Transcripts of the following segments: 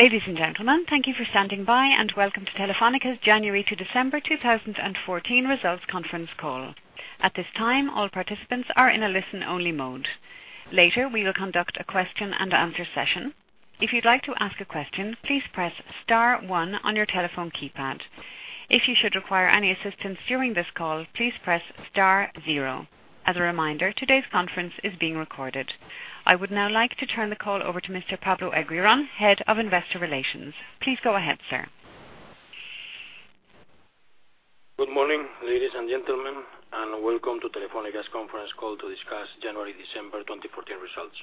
Ladies and gentlemen, thank you for standing by, and welcome to Telefónica's January to December 2014 results conference call. At this time, all participants are in a listen-only mode. Later, we will conduct a question and answer session. If you'd like to ask a question, please press star one on your telephone keypad. If you should require any assistance during this call, please press star zero. As a reminder, today's conference is being recorded. I would now like to turn the call over to Mr. Pablo Eguirón, Head of Investor Relations. Please go ahead, sir. Good morning, ladies and gentlemen, and welcome to Telefónica's conference call to discuss January, December 2014 results.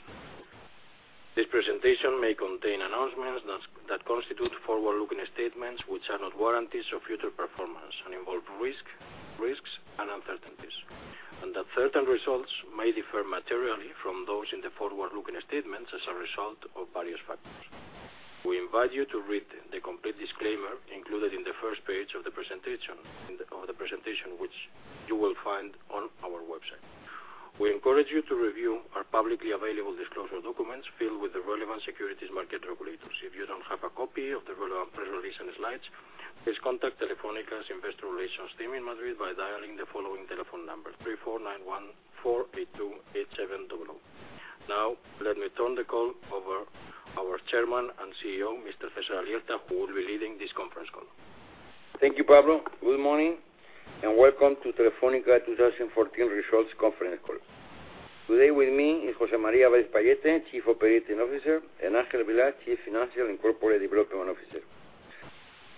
This presentation may contain announcements that constitute forward-looking statements which are not warranties of future performance and involve risks and uncertainties, and that certain results may differ materially from those in the forward-looking statements as a result of various factors. We invite you to read the complete disclaimer included in the first page of the presentation, which you will find on our website. We encourage you to review our publicly available disclosure documents filled with the relevant securities market regulators. If you don't have a copy of the relevant press release and slides, please contact Telefónica's Investor Relations team in Madrid by dialing the following telephone number, 34914828700. Let me turn the call over our Chairman and CEO, Mr. César Alierta, who will be leading this conference call. Thank you, Pablo. Good morning, and welcome to Telefónica 2014 Results Conference Call. Today with me is José María Álvarez-Pallete, Chief Operating Officer, and Ángel Vilá, Chief Financial and Corporate Development Officer.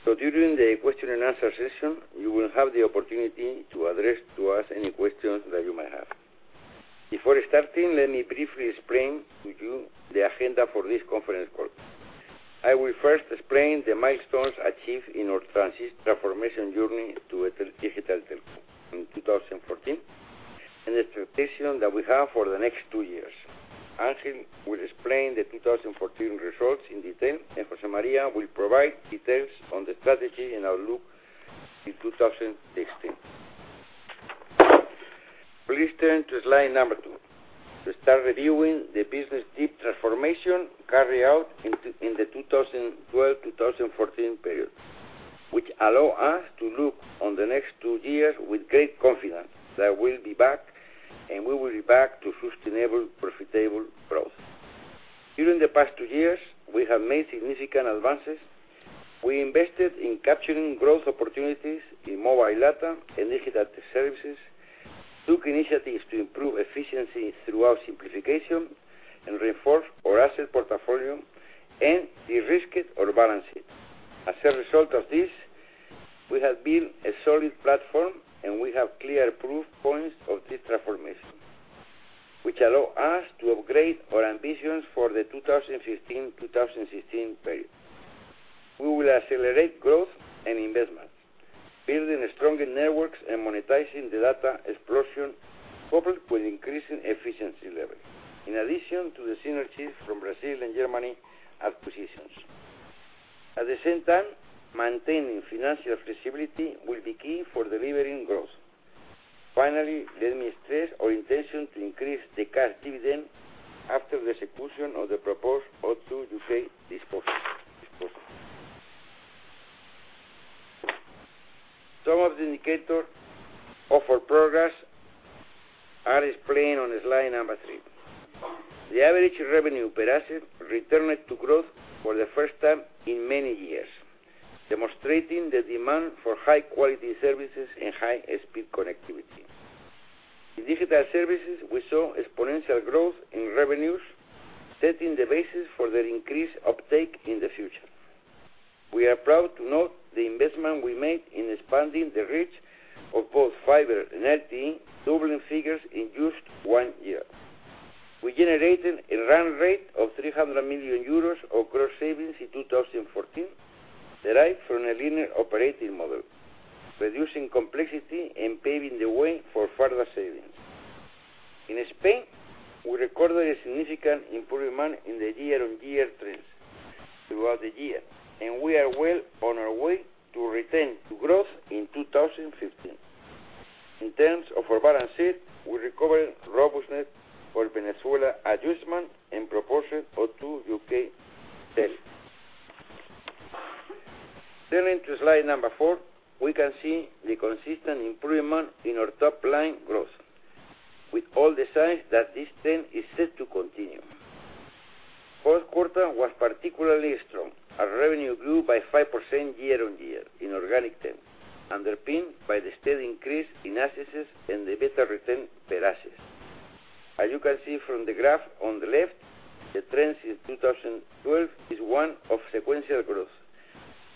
During the question and answer session, you will have the opportunity to address to us any questions that you may have. Before starting, let me briefly explain to you the agenda for this conference call. I will first explain the milestones achieved in our transformation journey to a digital telco in 2014 and the expectation that we have for the next two years. Ángel will explain the 2014 results in detail, and José María will provide details on the strategy and outlook in 2016. Please turn to slide number two to start reviewing the business deep transformation carried out in the 2012/2014 period, which allow us to look on the next two years with great confidence that we will be back to sustainable, profitable growth. During the past two years, we have made significant advances. We invested in capturing growth opportunities in mobile data and digital services, took initiatives to improve efficiency throughout simplification and reinforce our asset portfolio and de-risked our balance sheet. As a result of this, we have built a solid platform, and we have clear proof points of this transformation which allow us to upgrade our ambitions for the 2015-2016 period. We will accelerate growth and investment, building stronger networks and monetizing the data explosion, coupled with increasing efficiency levels, in addition to the synergies from Brazil and Germany acquisitions. At the same time, maintaining financial flexibility will be key for delivering growth. Finally, let me stress our intention to increase the cash dividend after the execution of the proposed O2 UK disposal. Some of the indicators of our progress are explained on slide number three. The average revenue per asset returned to growth for the first time in many years, demonstrating the demand for high-quality services and high-speed connectivity. In digital services, we saw exponential growth in revenues, setting the basis for their increased uptake in the future. We are proud to note the investment we made in expanding the reach of both fiber and LTE, doubling figures in just one year. We generated a run rate of 300 million euros of cost savings in 2014, derived from a leaner operating model, reducing complexity and paving the way for further savings. In Spain, we recorded a significant improvement in the year-on-year trends throughout the year, and we are well on our way to return to growth in 2015. In terms of our balance sheet, we recovered robustness for Venezuela adjustment and proposed O2 UK sale. Turning to slide number four, we can see the consistent improvement in our top-line growth with all the signs that this trend is set to continue. Fourth quarter was particularly strong, as revenue grew by 5% year-on-year in organic terms, underpinned by the steady increase in assets and the better return per asset. As you can see from the graph on the left, the trend since 2012 is one of sequential growth,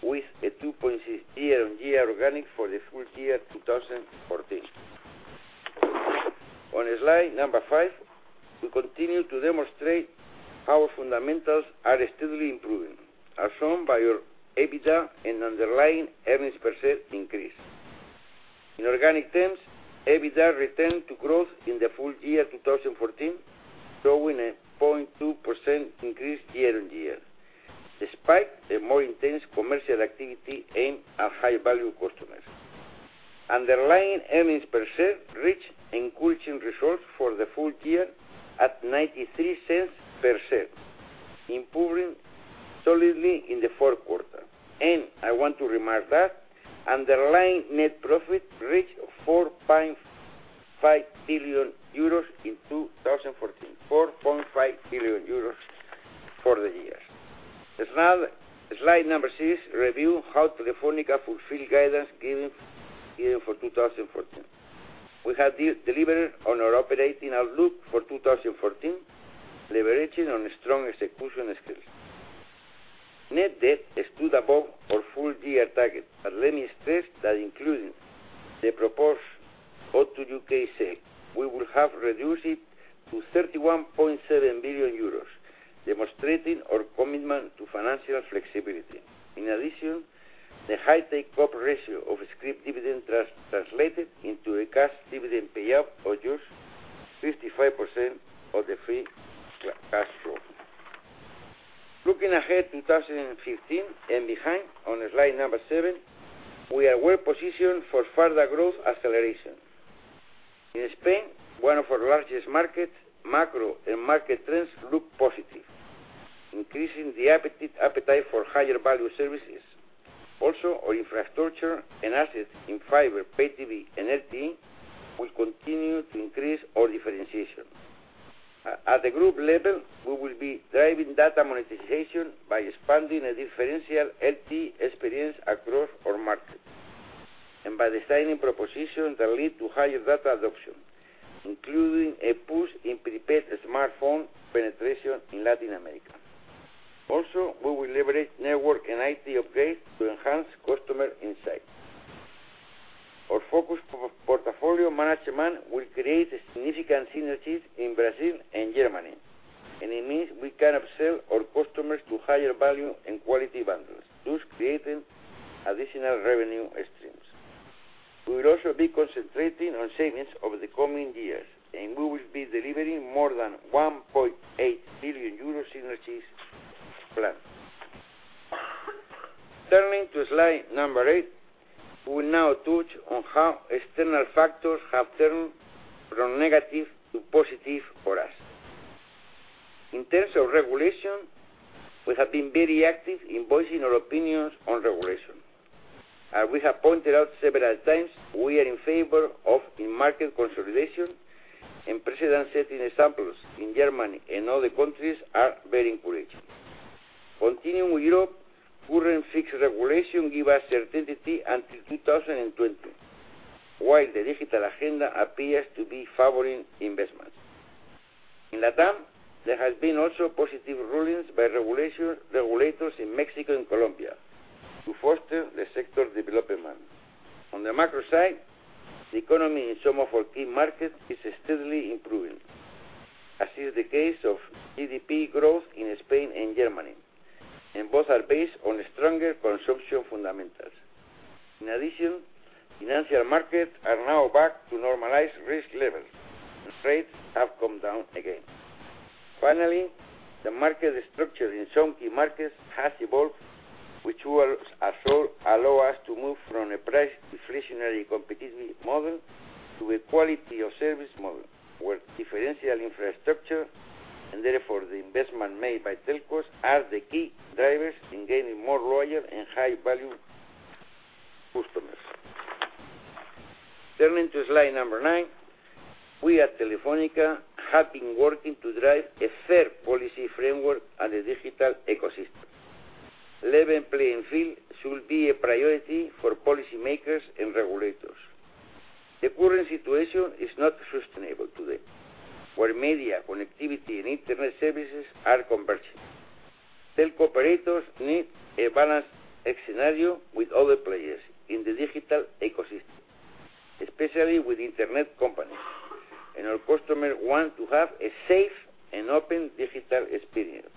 with a 2.6% year-on-year organic for the full year 2014. On slide number five, we continue to demonstrate how our fundamentals are steadily improving, as shown by our EBITDA and underlying earnings per share increase. In organic terms, EBITDA returned to growth in the full year 2014, showing a 0.2% increase year-on-year. Despite a more intense commercial activity aimed at high-value customers. Underlying earnings per share reached encouraging results for the full year at 0.93 per share, improving solidly in the fourth quarter. I want to remark that underlying net profit reached 4.5 billion euros in 2014. 4.5 billion euros for the year. Slide number six reviews how Telefónica fulfilled guidance given for 2014. We have delivered on our operating outlook for 2014, leveraging on strong execution skills. Net debt stood above our full-year target. Let me stress that including the proposed O2 UK sale, we will have reduced it to 31.7 billion euros, demonstrating our commitment to financial flexibility. In addition, the high pay ratio of script dividend translated into a cash dividend payout of just 65% of the free cash flow. Looking ahead 2015 and behind on slide number seven, we are well-positioned for further growth acceleration. In Spain, one of our largest markets, macro and market trends look positive, increasing the appetite for higher value services. Our infrastructure and assets in fiber, Pay TV, and LTE will continue to increase our differentiation. At the group level, we will be driving data monetization by expanding a differential LTE experience across our markets and by designing propositions that lead to higher data adoption, including a push in prepaid smartphone penetration in Latin America. We will leverage network and IT upgrades to enhance customer insight. Our focused portfolio management will create significant synergies in Brazil and Germany. It means we can upsell our customers to higher value and quality bundles, thus creating additional revenue streams. We will also be concentrating on savings over the coming years, and we will be delivering more than 1.8 billion euros synergies as planned. Turning to slide number eight, we will now touch on how external factors have turned from negative to positive for us. In terms of regulation, we have been very active in voicing our opinions on regulation. As we have pointed out several times, we are in favor of market consolidation and precedent-setting examples in Germany and other countries are very encouraging. Continuing with Europe, current fixed regulation give us certainty until 2020, while the Digital Agenda appears to be favoring investments. In LatAm, there has been also positive rulings by regulators in Mexico and Colombia to foster the sector's development. On the macro side, the economy in some of our key markets is steadily improving, as is the case of GDP growth in Spain and Germany, and both are based on stronger consumption fundamentals. In addition, financial markets are now back to normalized risk levels, and rates have come down again. Finally, the market structure in some key markets has evolved, which will allow us to move from a price deflationary competitive model to a quality of service model, where differential infrastructure, and therefore the investment made by telcos, are the key drivers in gaining more loyal and high-value customers. Turning to slide number nine, we at Telefónica have been working to drive a fair policy framework and a digital ecosystem. Level playing field should be a priority for policymakers and regulators. The current situation is not sustainable today, where media connectivity and internet services are converging. Telco operators need a balanced scenario with other players in the digital ecosystem, especially with internet companies, and our customers want to have a safe and open digital experience.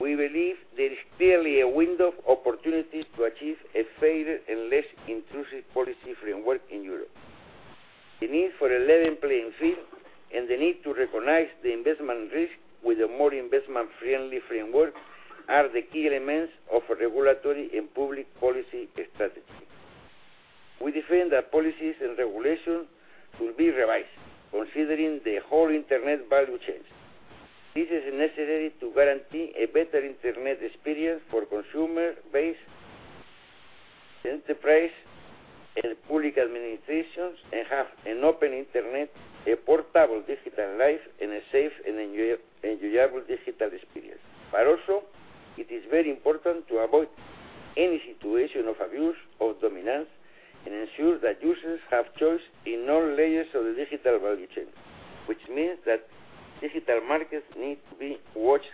We believe there is clearly a window of opportunity to achieve a fairer and less intrusive policy framework in Europe. The need for a level playing field and the need to recognize the investment risk with a more investment-friendly framework are the key elements of our regulatory and public policy strategy. We defend that policies and regulation should be revised considering the whole internet value chains. This is necessary to guarantee a better internet experience for consumer base, enterprise, and public administrations, and have an open internet, a portable digital life, and a safe and enjoyable digital experience. Also, it is very important to avoid any situation of abuse or dominance and ensure that users have choice in all layers of the digital value chain, which means that digital markets need to be watched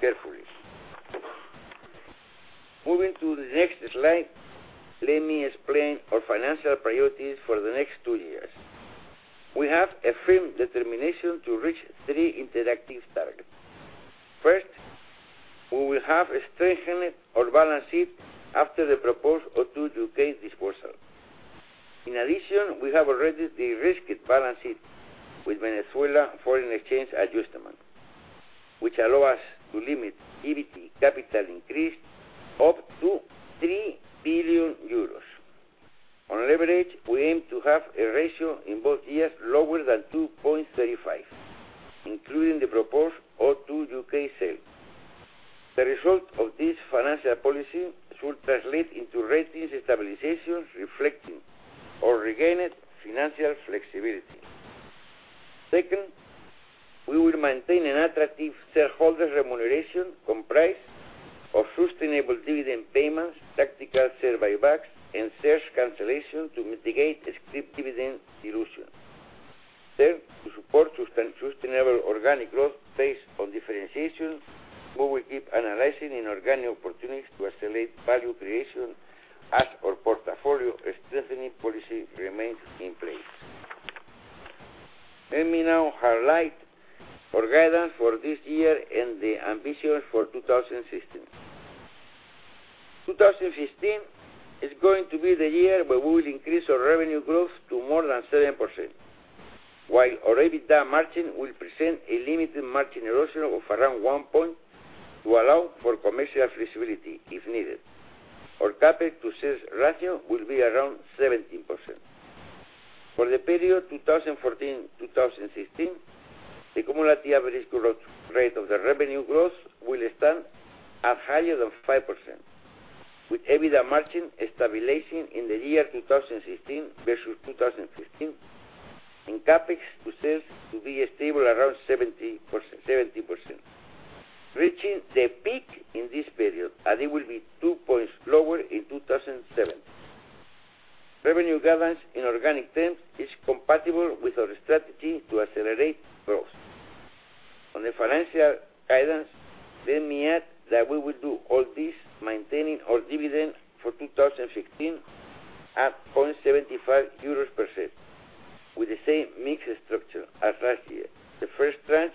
carefully. Moving to the next slide, let me explain our financial priorities for the next two years. We have a firm determination to reach three interactive targets. First, we will have strengthened our balance sheet after the proposed O2 UK disposal. In addition, we have already de-risked balance sheet with Venezuela foreign exchange adjustment. Which allow us to limit GVT capital increase up to 3 billion euros. On leverage, we aim to have a ratio in both years lower than 2.35, including the proposed O2 UK sale. The result of this financial policy should translate into ratings stabilizations reflecting our regained financial flexibility. Second, we will maintain an attractive shareholder remuneration comprised of sustainable dividend payments, tactical share buybacks, and shares cancellation to mitigate the scrip dividend dilution. Third, to support sustainable organic growth based on differentiation, we will keep analyzing inorganic opportunities to accelerate value creation as our portfolio strengthening policy remains in place. Let me now highlight our guidance for this year and the ambitions for 2016. 2015 is going to be the year where we will increase our revenue growth to more than 7%, while our EBITDA margin will present a limited margin erosion of around one point to allow for commercial flexibility, if needed. Our CapEx to sales ratio will be around 17%. For the period 2014-2016, the cumulative average growth rate of the revenue growth will stand at higher than 5%, with EBITDA margin stabilizing in the year 2016 versus 2015, and CapEx to sales to be stable around 70%, reaching the peak in this period, and it will be two points lower in 2007. Revenue guidance in organic terms is compatible with our strategy to accelerate growth. On the financial guidance, let me add that we will do all this maintaining our dividend for 2015 at 0.75 euros per share with the same mixed structure as last year. The first tranche,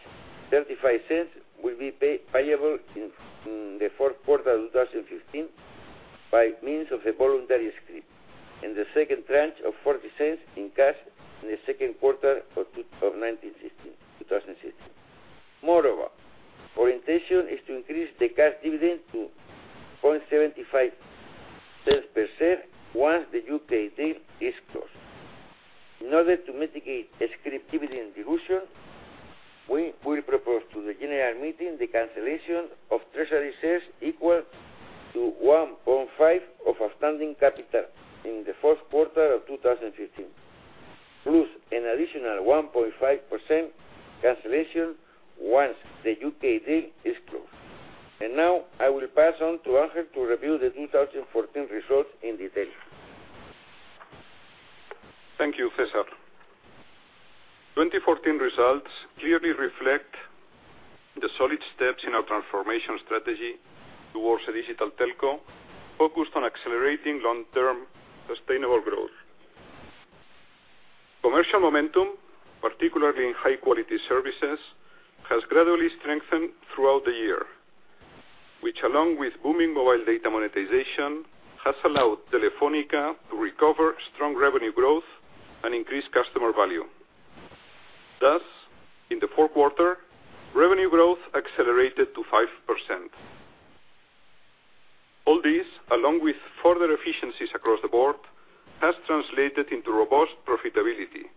0.35, will be payable in the fourth quarter of 2015 by means of a voluntary scrip. The second tranche of 0.40 in cash in the second quarter of 2016. Moreover, our intention is to increase the cash dividend to 0.75 per share once the U.K. deal is closed. In order to mitigate scrip dividend dilution, we will propose to the general meeting the cancellation of treasury shares equal to 1.5 of outstanding capital in the fourth quarter of 2015, plus an additional 1.5% cancellation once the U.K. deal is closed. Now, I will pass on to Ángel to review the 2014 results in detail. Thank you, César. 2014 results clearly reflect the solid steps in our transformation strategy towards a digital telco focused on accelerating long-term sustainable growth. Commercial momentum, particularly in high-quality services, has gradually strengthened throughout the year, which along with booming mobile data monetization, has allowed Telefónica to recover strong revenue growth and increase customer value. Thus, in the fourth quarter, revenue growth accelerated to 5%. All this, along with further efficiencies across the board, has translated into robust profitability,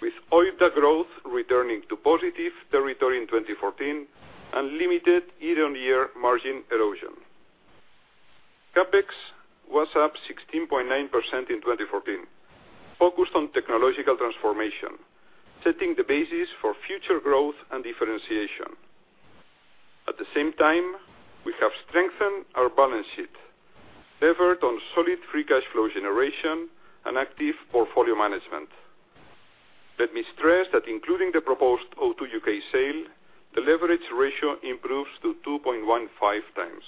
with OIBDA growth returning to positive territory in 2014 and limited year-on-year margin erosion. CapEx was up 16.9% in 2014, focused on technological transformation, setting the basis for future growth and differentiation. At the same time, we have strengthened our balance sheet, levered on solid free cash flow generation and active portfolio management. Let me stress that including the proposed O2 UK sale, the leverage ratio improves to 2.15 times.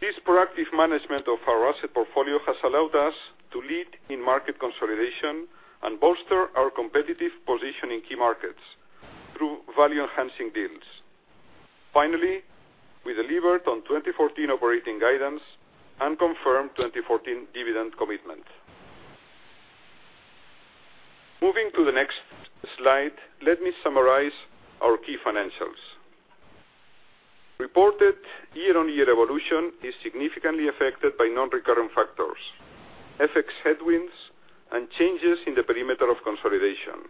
This proactive management of our asset portfolio has allowed us to lead in market consolidation and bolster our competitive position in key markets through value-enhancing deals. Finally, we delivered on 2014 operating guidance and confirmed 2014 dividend commitment. Moving to the next slide, let me summarize our key financials. Reported year-on-year evolution is significantly affected by non-recurrent factors, FX headwinds, and changes in the perimeter of consolidation.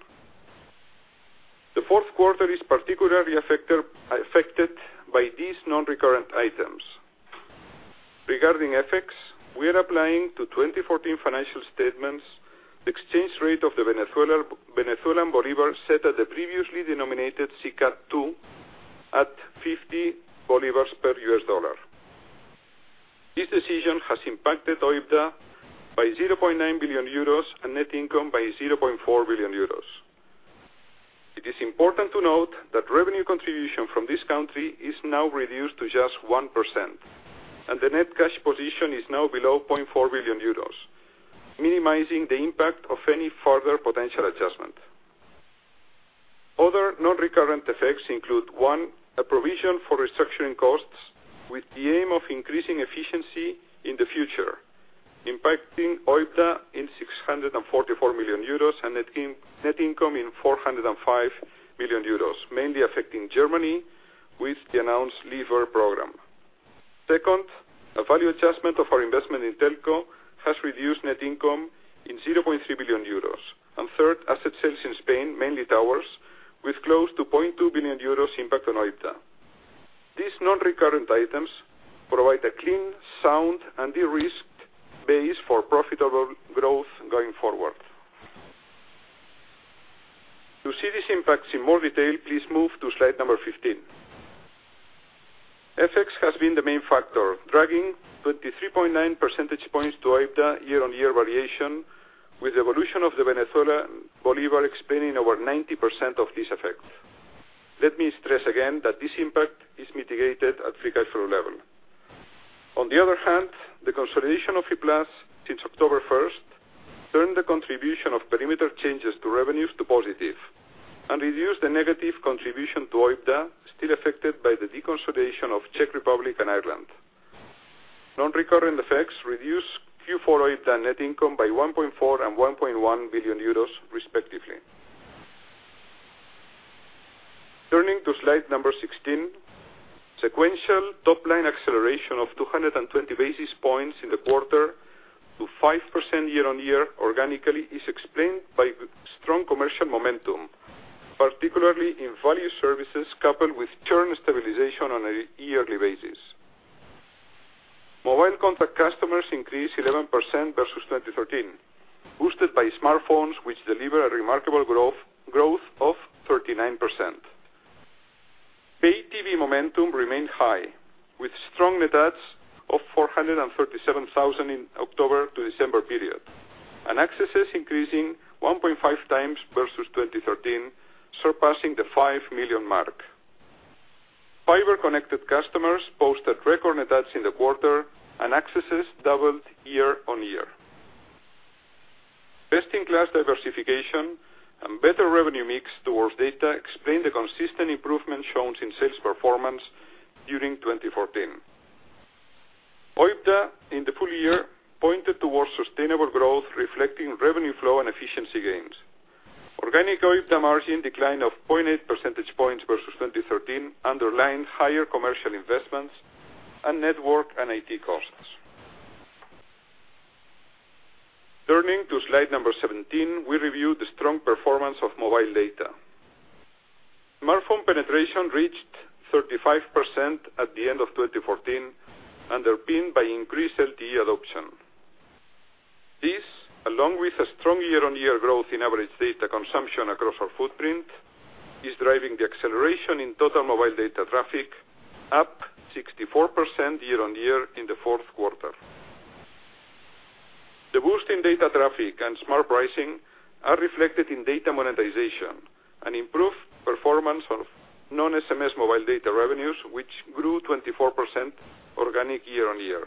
The fourth quarter is particularly affected by these non-recurrent items. Regarding FX, we are applying to 2014 financial statements the exchange rate of the Venezuelan bolivar set at the previously denominated SICAD II at 50 bolivars per US dollar. This decision has impacted OIBDA by 0.9 billion euros and net income by 0.4 billion euros. It is important to note that revenue contribution from this country is now reduced to just 1%, and the net cash position is now below 0.4 billion euros, minimizing the impact of any further potential adjustment. Other non-recurrent effects include, one, a provision for restructuring costs with the aim of increasing efficiency in the future Impacting OIBDA in 644 million euros and net income in 405 million euros, mainly affecting Germany with the announced leaver program. Second, a value adjustment of our investment in Telco has reduced net income in 0.3 billion euros. Third, asset sales in Spain, mainly towers, with close to 2.2 billion euros impact on OIBDA. These non-recurrent items provide a clean, sound, and de-risked base for profitable growth going forward. To see these impacts in more detail, please move to slide number 15. FX has been the main factor, dragging 23.9 percentage points to OIBDA year-on-year variation, with evolution of the Venezuelan bolivar explaining over 90% of this effect. Let me stress again that this impact is mitigated at free cash flow level. The consolidation of Canal+ since October 1st turned the contribution of perimeter changes to revenues to positive and reduced the negative contribution to OIBDA, still affected by the deconsolidation of Czech Republic and Ireland. Non-recurrent effects reduced Q4 OIBDA net income by 1.4 billion and 1.1 billion euros respectively. Turning to slide number 16, sequential top-line acceleration of 220 basis points in the quarter to 5% year-on-year organically is explained by strong commercial momentum, particularly in value services coupled with churn stabilization on a yearly basis. Mobile contract customers increased 11% versus 2013, boosted by smartphones, which deliver a remarkable growth of 39%. Pay TV momentum remained high, with strong net adds of 437,000 in October to December period, and accesses increasing 1.5 times versus 2013, surpassing the 5 million mark. Fiber-connected customers posted record net adds in the quarter and accesses doubled year-on-year. Best-in-class diversification and better revenue mix towards data explain the consistent improvement shown in sales performance during 2014. OIBDA in the full year pointed towards sustainable growth, reflecting revenue flow and efficiency gains. Organic OIBDA margin decline of 0.8 percentage points versus 2013 underlined higher commercial investments and network and IT costs. Turning to slide number 17, we review the strong performance of mobile data. Smartphone penetration reached 35% at the end of 2014, underpinned by increased LTE adoption. This, along with a strong year-on-year growth in average data consumption across our footprint, is driving the acceleration in total mobile data traffic up 64% year-on-year in the fourth quarter. The boost in data traffic and smart pricing are reflected in data monetization and improved performance of non-SMS mobile data revenues, which grew 24% organic year-on-year.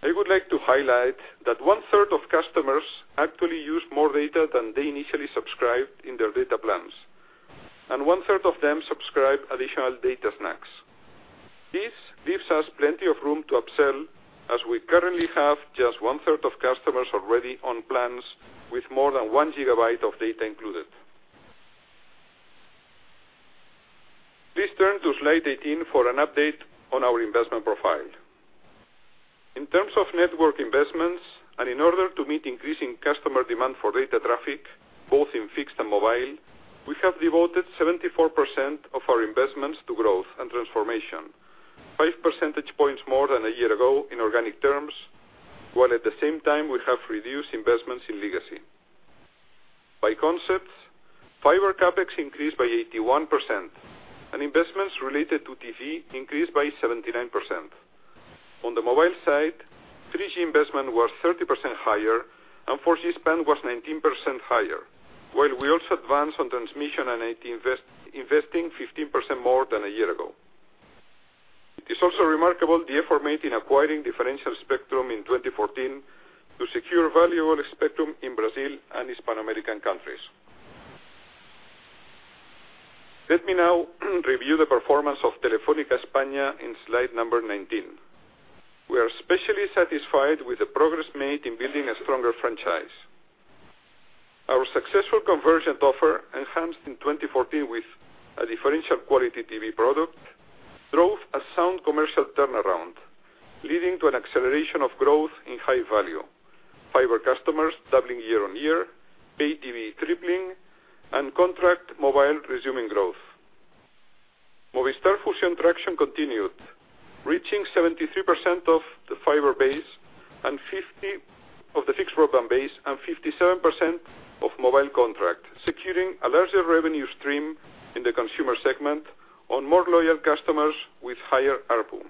I would like to highlight that one-third of customers actually use more data than they initially subscribed in their data plans, and one-third of them subscribe additional data snacks. This gives us plenty of room to upsell as we currently have just one-third of customers already on plans with more than one gigabyte of data included. Please turn to slide 18 for an update on our investment profile. In terms of network investments and in order to meet increasing customer demand for data traffic, both in fixed and mobile, we have devoted 74% of our investments to growth and transformation, five percentage points more than a year ago in organic terms, while at the same time we have reduced investments in legacy. By concept, fiber CapEx increased by 81% and investments related to TV increased by 79%. On the mobile side, 3G investment was 30% higher and 4G spend was 19% higher, while we also advanced on transmission and IT, investing 15% more than a year ago. It is also remarkable the effort made in acquiring differential spectrum in 2014 to secure valuable spectrum in Brazil and Hispano-American countries. Let me now review the performance of Telefónica España in slide number 19. We are especially satisfied with the progress made in building a stronger franchise. Our successful convergent offer, enhanced in 2014 with a differential quality TV product, drove a sound commercial turnaround, leading to an acceleration of growth in high value, fiber customers doubling year-on-year, Pay TV tripling, and contract mobile resuming growth. Movistar Fusión traction continued, reaching 73% of the fiber base, 50% of the fixed broadband base, and 57% of mobile contract, securing a larger revenue stream in the consumer segment on more loyal customers with higher ARPU.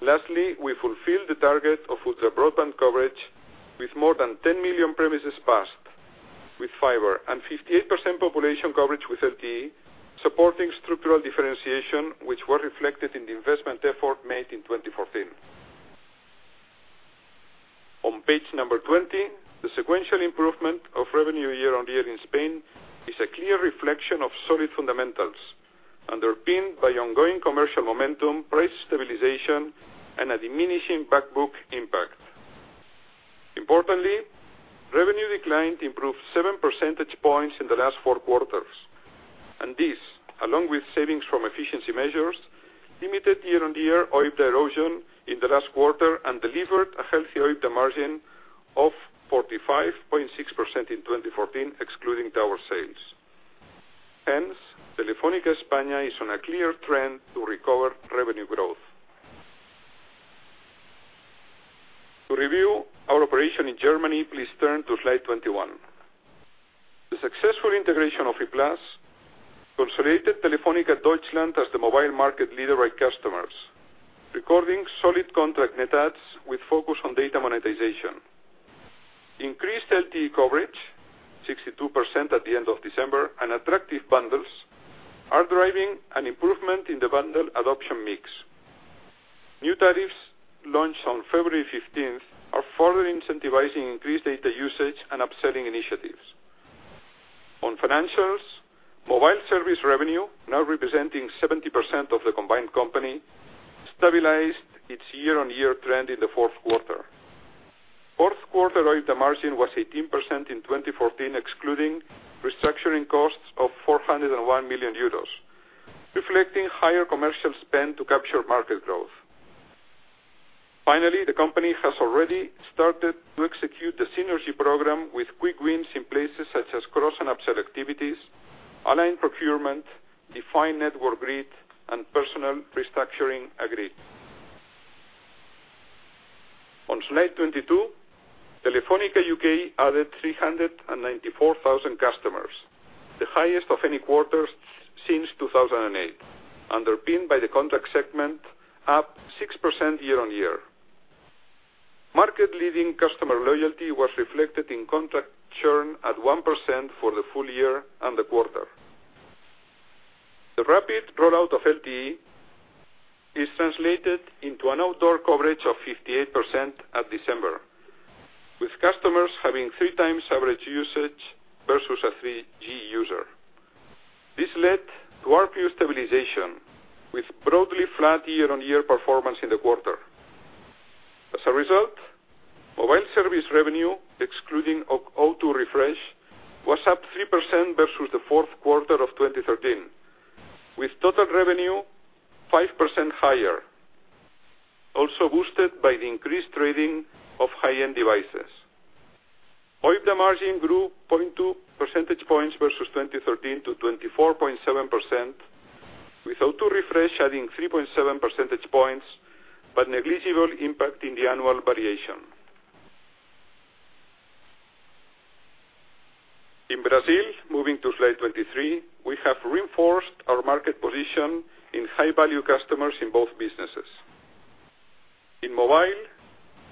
Lastly, we fulfilled the target of ultra-broadband coverage with more than 10 million premises passed with fiber and 58% population coverage with LTE, supporting structural differentiation, which were reflected in the investment effort made in 2014. On page number 20, the sequential improvement of revenue year-on-year in Spain is a clear reflection of solid fundamentals, underpinned by ongoing commercial momentum, price stabilization, and a diminishing back book impact. Importantly, revenue decline improved seven percentage points in the last four quarters. This, along with savings from efficiency measures, limited year-on-year OIBDA erosion in the last quarter and delivered a healthy OIBDA margin of 45.6% in 2014, excluding tower sales. Hence, Telefónica España is on a clear trend to recover revenue growth. To review our operation in Germany, please turn to slide 21. The successful integration of E-Plus consolidated Telefónica Deutschland as the mobile market leader by customers, recording solid contract net adds with focus on data monetization. Increased LTE coverage, 62% at the end of December, and attractive bundles are driving an improvement in the bundle adoption mix. New tariffs launched on February 15th are further incentivizing increased data usage and upselling initiatives. On financials, mobile service revenue, now representing 70% of the combined company, stabilized its year-on-year trend in the fourth quarter. Fourth quarter OIBDA margin was 18% in 2014, excluding restructuring costs of 401 million euros, reflecting higher commercial spend to capture market growth. Finally, the company has already started to execute the synergy program with quick wins in places such as cross and upsell activities, aligned procurement, defined network grid, and personnel restructuring agreed. On slide 22, Telefónica UK added 394,000 customers, the highest of any quarter since 2008, underpinned by the contract segment up 6% year-on-year. Market leading customer loyalty was reflected in contract churn at 1% for the full year and the quarter. The rapid rollout of LTE is translated into an outdoor coverage of 58% at December, with customers having three times average usage versus a 3G user. This led to ARPU stabilization, with broadly flat year-on-year performance in the quarter. As a result, mobile service revenue, excluding O2 Refresh, was up 3% versus the fourth quarter of 2013, with total revenue 5% higher, also boosted by the increased trading of high-end devices. OIBDA margin grew 0.2 percentage points versus 2013 to 24.7%, with O2 Refresh adding 3.7 percentage points, but negligible impact in the annual variation. In Brazil, moving to slide 23, we have reinforced our market position in high-value customers in both businesses. In mobile,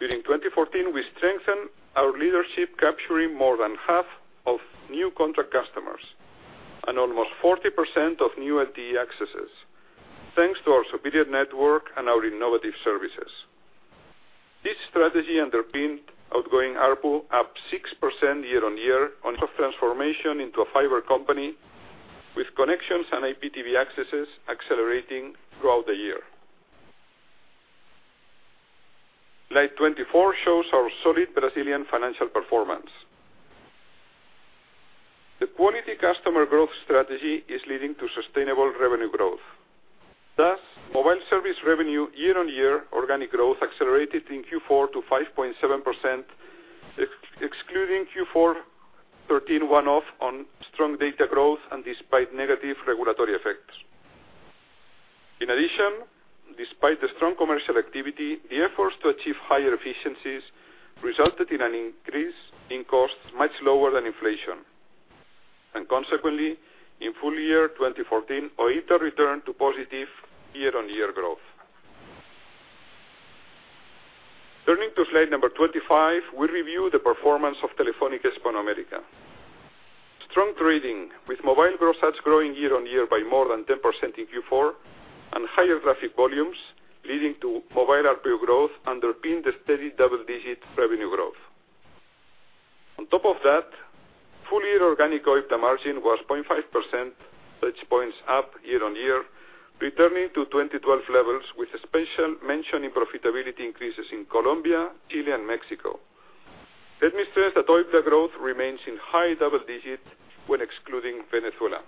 during 2014, we strengthened our leadership capturing more than half of new contract customers and almost 40% of new LTE accesses, thanks to our superior network and our innovative services. This strategy underpinned outgoing ARPU up 6% year-on-year on transformation into a fiber company with connections and IPTV accesses accelerating throughout the year. Slide 24 shows our solid Brazilian financial performance. The quality customer growth strategy is leading to sustainable revenue growth. Thus, mobile service revenue year-on-year organic growth accelerated in Q4 to 5.7%, excluding Q4 2013 one-off on strong data growth and despite negative regulatory effects. In addition, despite the strong commercial activity, the efforts to achieve higher efficiencies resulted in an increase in costs much lower than inflation. Consequently, in full year 2014, OIBDA returned to positive year-on-year growth. Turning to slide number 25, we review the performance of Telefónica Hispanoamérica. Strong trading with mobile gross adds growing year-on-year by more than 10% in Q4 and higher graphic volumes leading to mobile ARPU growth underpin the steady double-digit revenue growth. On top of that, full year organic OIBDA margin was 0.5 percentage points up year-on-year, returning to 2012 levels with a special mention in profitability increases in Colombia, Chile, and Mexico. Let me stress that OIBDA growth remains in high double digits when excluding Venezuela.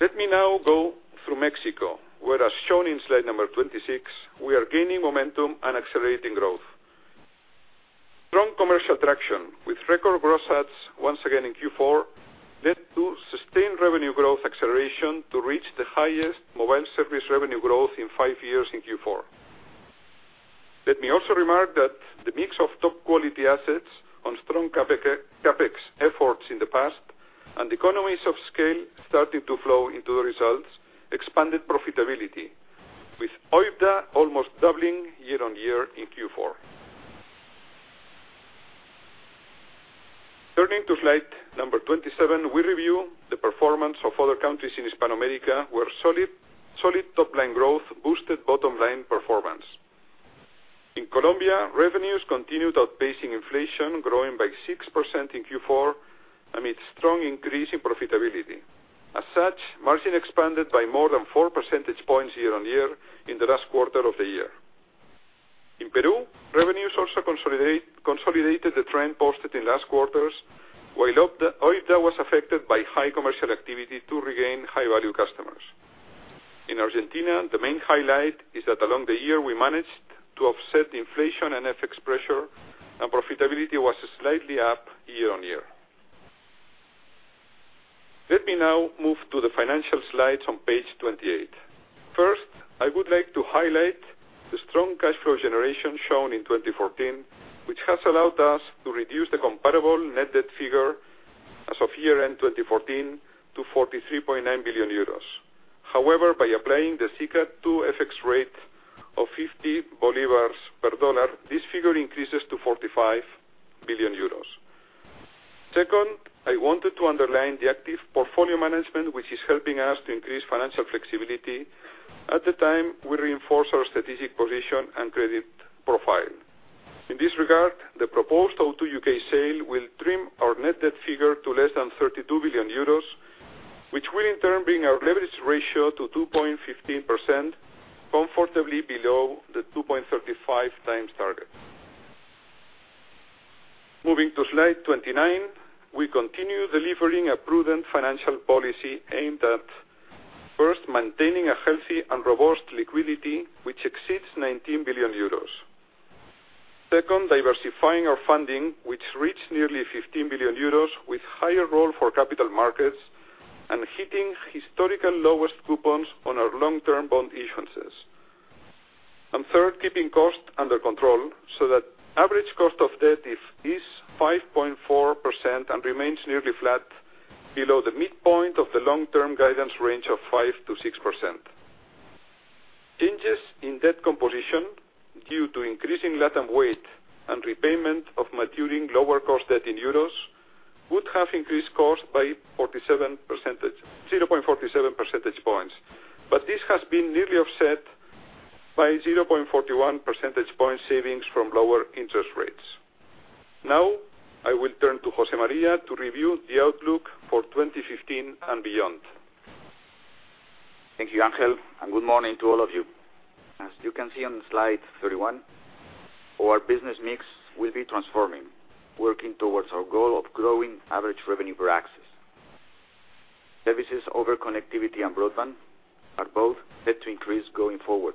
Let me now go through Mexico, where as shown in slide number 26, we are gaining momentum and accelerating growth. Strong commercial traction with record gross adds once again in Q4 led to sustained revenue growth acceleration to reach the highest mobile service revenue growth in five years in Q4. Let me also remark that the mix of top quality assets on strong CapEx efforts in the past and economies of scale starting to flow into the results expanded profitability, with OIBDA almost doubling year-on-year in Q4. Moving to slide number 27, we review the performance of other countries in Hispanoamérica, where solid top-line growth boosted bottom-line performance. In Colombia, revenues continued outpacing inflation, growing by 6% in Q4 amid strong increase in profitability. As such, margin expanded by more than four percentage points year-on-year in the last quarter of the year. In Peru, revenues also consolidated the trend posted in last quarters, while OIBDA was affected by high commercial activity to regain high-value customers. In Argentina, the main highlight is that along the year, we managed to offset inflation and FX pressure, and profitability was slightly up year-on-year. Let me now move to the financial slides on page 28. First, I would like to highlight the strong cash flow generation shown in 2014, which has allowed us to reduce the comparable net debt figure as of year-end 2014 to 43.9 billion euros. However, by applying the SICAD II FX rate of 50 bolivars per US dollar, this figure increases to 45 billion euros. Second, I wanted to underline the active portfolio management, which is helping us to increase financial flexibility. At the time, we reinforce our strategic position and credit profile. In this regard, the proposed O2 UK sale will trim our net debt figure to less than 32 billion euros, which will in turn bring our leverage ratio to 2.15x, comfortably below the 2.35x target. Moving to slide 29, we continue delivering a prudent financial policy aimed at, first, maintaining a healthy and robust liquidity, which exceeds 19 billion euros. Second, diversifying our funding, which reached nearly 15 billion euros, with higher role for capital markets and hitting historical lowest coupons on our long-term bond issuances. Third, keeping cost under control, so that average cost of debt is 5.4% and remains nearly flat below the midpoint of the long-term guidance range of 5%-6%. Changes in debt composition due to increasing LATAM weight and repayment of maturing lower cost debt in euros would have increased cost by 0.47 percentage points. This has been nearly offset by 0.41 percentage point savings from lower interest rates. Now, I will turn to José María to review the outlook for 2015 and beyond. Thank you, Ángel. Good morning to all of you. As you can see on slide 31, our business mix will be transforming, working towards our goal of growing average revenue per access. Services over connectivity and broadband are both set to increase going forward.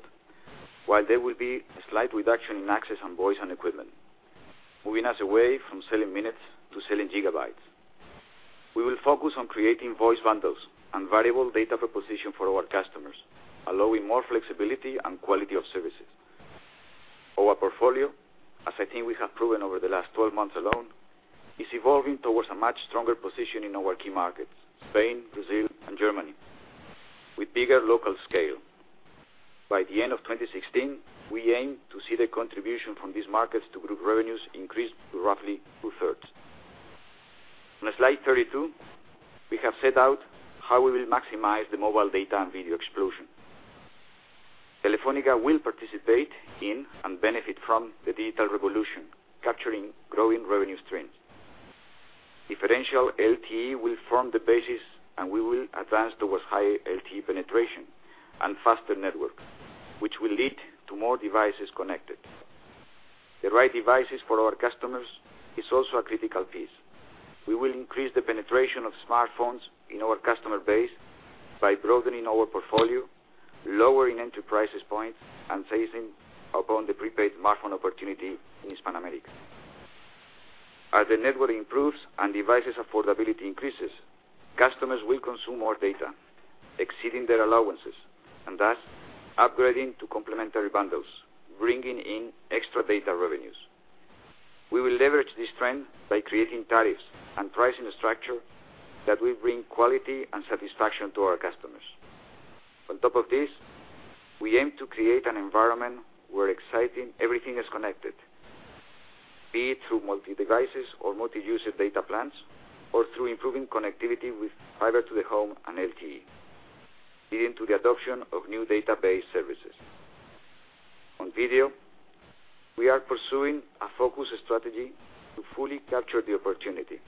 While there will be a slight reduction in access on voice and equipment, moving us away from selling minutes to selling gigabytes. We will focus on creating voice bundles and variable data proposition for our customers, allowing more flexibility and quality of services. Our portfolio, as I think we have proven over the last 12 months alone, is evolving towards a much stronger position in our key markets, Spain, Brazil, and Germany, with bigger local scale. By the end of 2016, we aim to see the contribution from these markets to group revenues increase to roughly two-thirds. On slide 32, we have set out how we will maximize the mobile data and video explosion. Telefónica will participate in and benefit from the digital revolution, capturing growing revenue streams. Differential LTE will form the basis. We will advance towards high LTE penetration and faster network, which will lead to more devices connected. The right devices for our customers is also a critical piece. We will increase the penetration of smartphones in our customer base by broadening our portfolio, lowering entry points, and seizing upon the prepaid smartphone opportunity in Hispanoamérica. As the network improves and devices affordability increases, customers will consume more data, exceeding their allowances, and thus upgrading to complementary bundles, bringing in extra data revenues. We will leverage this trend by creating tariffs and pricing structure that will bring quality and satisfaction to our customers. On top of this, we aim to create an environment where existing everything is connected, be it through multi-devices or multi-user data plans, or through improving connectivity with fiber-to-the-home and LTE, leading to the adoption of new data-based services. On video, we are pursuing a focus strategy to fully capture the opportunity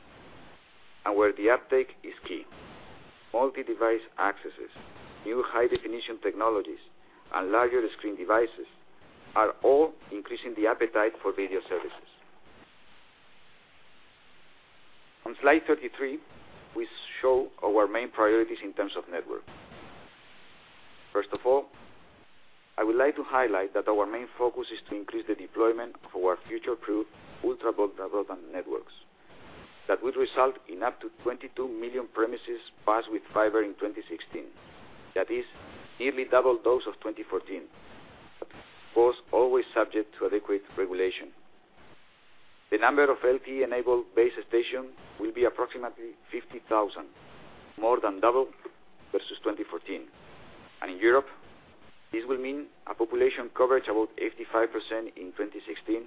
and where the uptake is key. Multi-device accesses, new high-definition technologies, and larger screen devices are all increasing the appetite for video services. On slide 33, we show our main priorities in terms of network. First of all, I would like to highlight that our main focus is to increase the deployment of our future-proof ultra broadband networks. That would result in up to 22 million premises passed with fiber in 2016. That is nearly double those of 2014, but was always subject to adequate regulation. The number of LTE-enabled base station will be approximately 50,000, more than double versus 2014. In Europe, this will mean a population coverage above 85% in 2016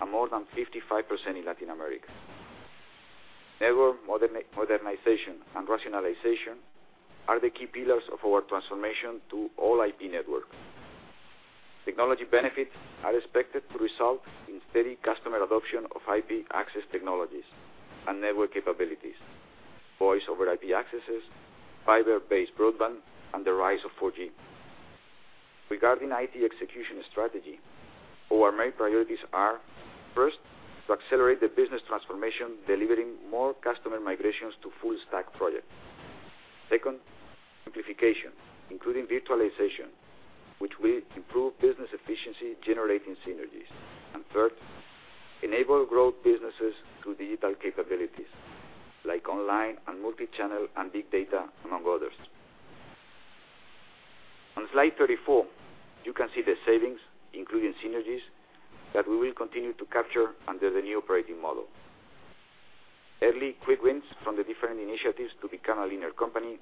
and more than 55% in Latin America. Network modernization and rationalization are the key pillars of our transformation to all-IP network. Technology benefits are expected to result in steady customer adoption of IP access technologies and network capabilities, voice over IP accesses, fiber-based broadband, and the rise of 4G. Regarding IT execution strategy, our main priorities are, first, to accelerate the business transformation, delivering more customer migrations to full stack projects. Second, simplification, including virtualization, which will improve business efficiency, generating synergies. Third, enable growth businesses through digital capabilities like online and multichannel and big data, among others. On slide 34, you can see the savings, including synergies, that we will continue to capture under the new operating model. Early quick wins from the different initiatives to become a leaner company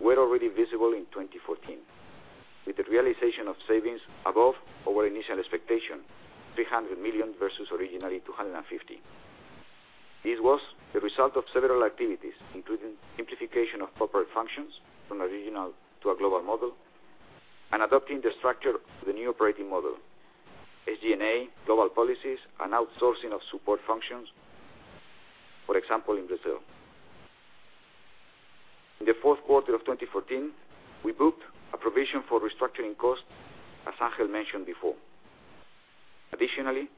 were already visible in 2014, with the realization of savings above our initial expectation, 300 million versus originally 250. This was the result of several activities, including simplification of corporate functions from a regional to a global model, and adopting the structure to the new operating model, SDNA, global policies, and outsourcing of support functions. For example, in Brazil. In the fourth quarter of 2014, we booked a provision for restructuring costs, as Ángel mentioned before. Additionally,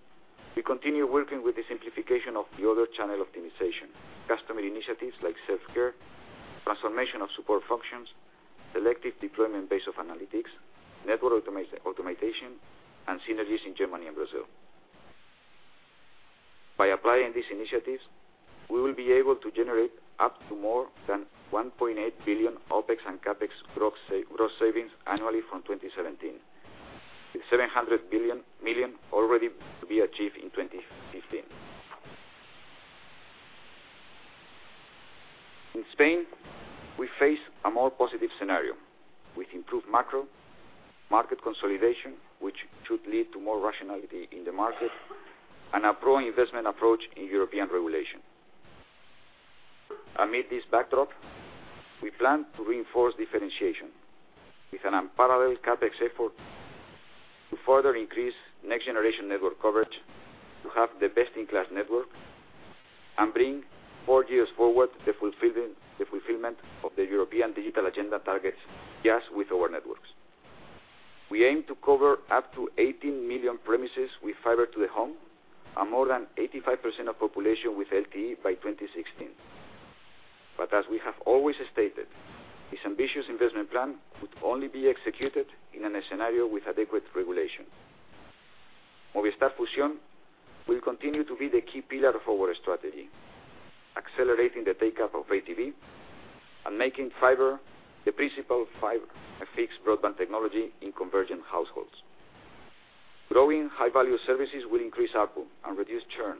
we continue working with the simplification of the omnichannel optimization, customer initiatives like self-care, transformation of support functions, selective deployment based on analytics, network automation, and synergies in Germany and Brazil. By applying these initiatives, we will be able to generate up to more than 1.8 billion OpEx and CapEx gross savings annually from 2017, with 700 million already to be achieved in 2015. In Spain, we face a more positive scenario with improved macro market consolidation, which should lead to more rationality in the market and a growing investment approach in European regulation. Amid this backdrop, we plan to reinforce differentiation with an unparalleled CapEx effort to further increase next-generation network coverage to have the best-in-class network and bring 4G forward the fulfillment of the European Digital Agenda targets just with our networks. We aim to cover up to 18 million premises with fiber-to-the-home and more than 85% of population with LTE by 2016. As we have always stated, this ambitious investment plan could only be executed in a scenario with adequate regulation. Movistar Fusión will continue to be the key pillar of our strategy, accelerating the take-up of FTTH and making fiber the principal fixed broadband technology in convergent households. Growing high-value services will increase ARPU and reduce churn,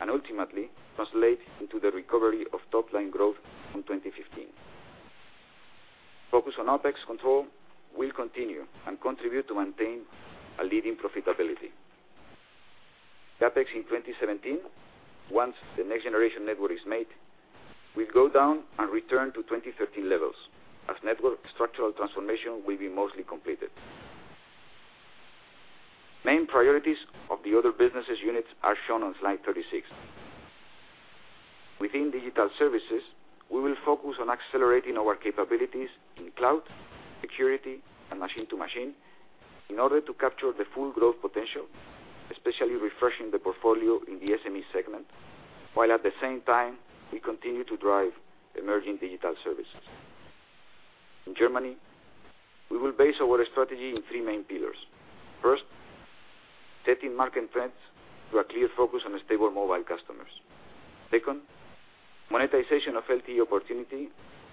and ultimately translate into the recovery of top-line growth from 2015. Focus on OpEx control will continue and contribute to maintain a leading profitability. CapEx in 2017, once the next-generation network is made, will go down and return to 2013 levels, as network structural transformation will be mostly completed. Main priorities of the other business units are shown on slide 36. Within digital services, we will focus on accelerating our capabilities in cloud, security, and machine to machine in order to capture the full growth potential, especially refreshing the portfolio in the SME segment, while at the same time, we continue to drive emerging digital services. In Germany, we will base our strategy in three main pillars. First, setting market trends through a clear focus on stable mobile customers. Second, monetization of LTE opportunity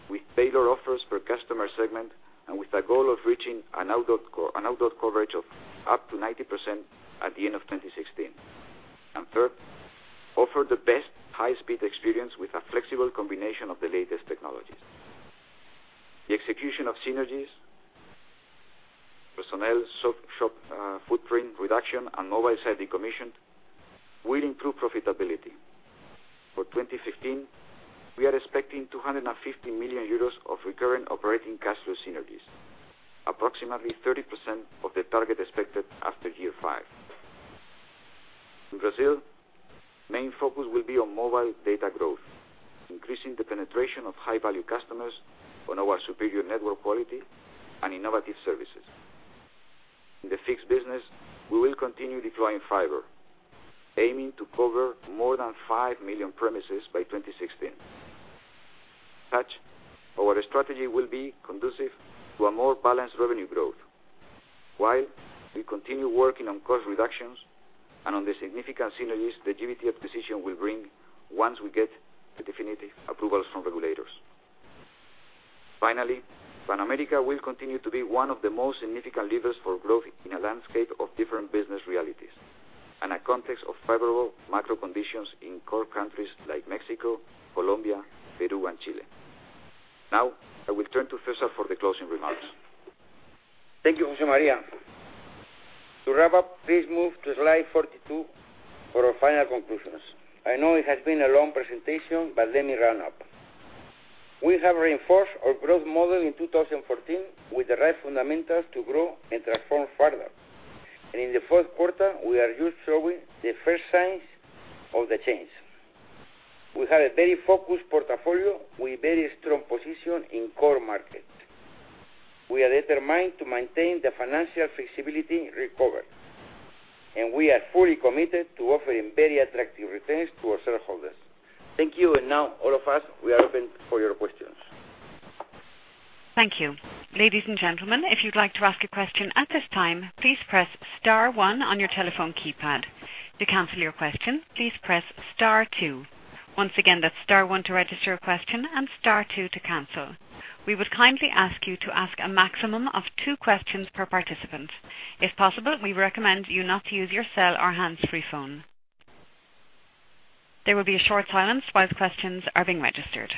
with tailored offers per customer segment and with the goal of reaching an outdoor coverage of up to 90% at the end of 2016. Third, offer the best high-speed experience with a flexible combination of the latest technologies. The execution of synergies, personnel, shop footprint reduction, and mobile site decommission will improve profitability. For 2015, we are expecting 250 million euros of recurring operating cash flow synergies, approximately 30% of the target expected after year five. In Brazil, main focus will be on mobile data growth, increasing the penetration of high-value customers on our superior network quality and innovative services. In the fixed business, we will continue deploying fiber, aiming to cover more than five million premises by 2016. Such, our strategy will be conducive to a more balanced revenue growth. While we continue working on cost reductions and on the significant synergies the GVT acquisition will bring once we get the definitive approvals from regulators. Finally, Telefónica Hispanoamérica will continue to be one of the most significant levers for growth in a landscape of different business realities. A context of favorable macro conditions in core countries like Mexico, Colombia, Peru, and Chile. Now, I will turn to César for the closing remarks. Thank you, José María. To wrap up, please move to slide 42 for our final conclusions. I know it has been a long presentation, but let me run up. We have reinforced our growth model in 2014 with the right fundamentals to grow and transform further. In the fourth quarter, we are just showing the first signs of the change. We have a very focused portfolio with very strong position in core market. We are determined to maintain the financial flexibility recovered, and we are fully committed to offering very attractive returns to our shareholders. Thank you, and now all of us, we are open for your questions. Thank you. Ladies and gentlemen, if you'd like to ask a question at this time, please press star one on your telephone keypad. To cancel your question, please press star two. Once again, that's star one to register a question and star two to cancel. We would kindly ask you to ask a maximum of two questions per participant. If possible, we recommend you not to use your cell or hands-free phone. There will be a short silence while the questions are being registered.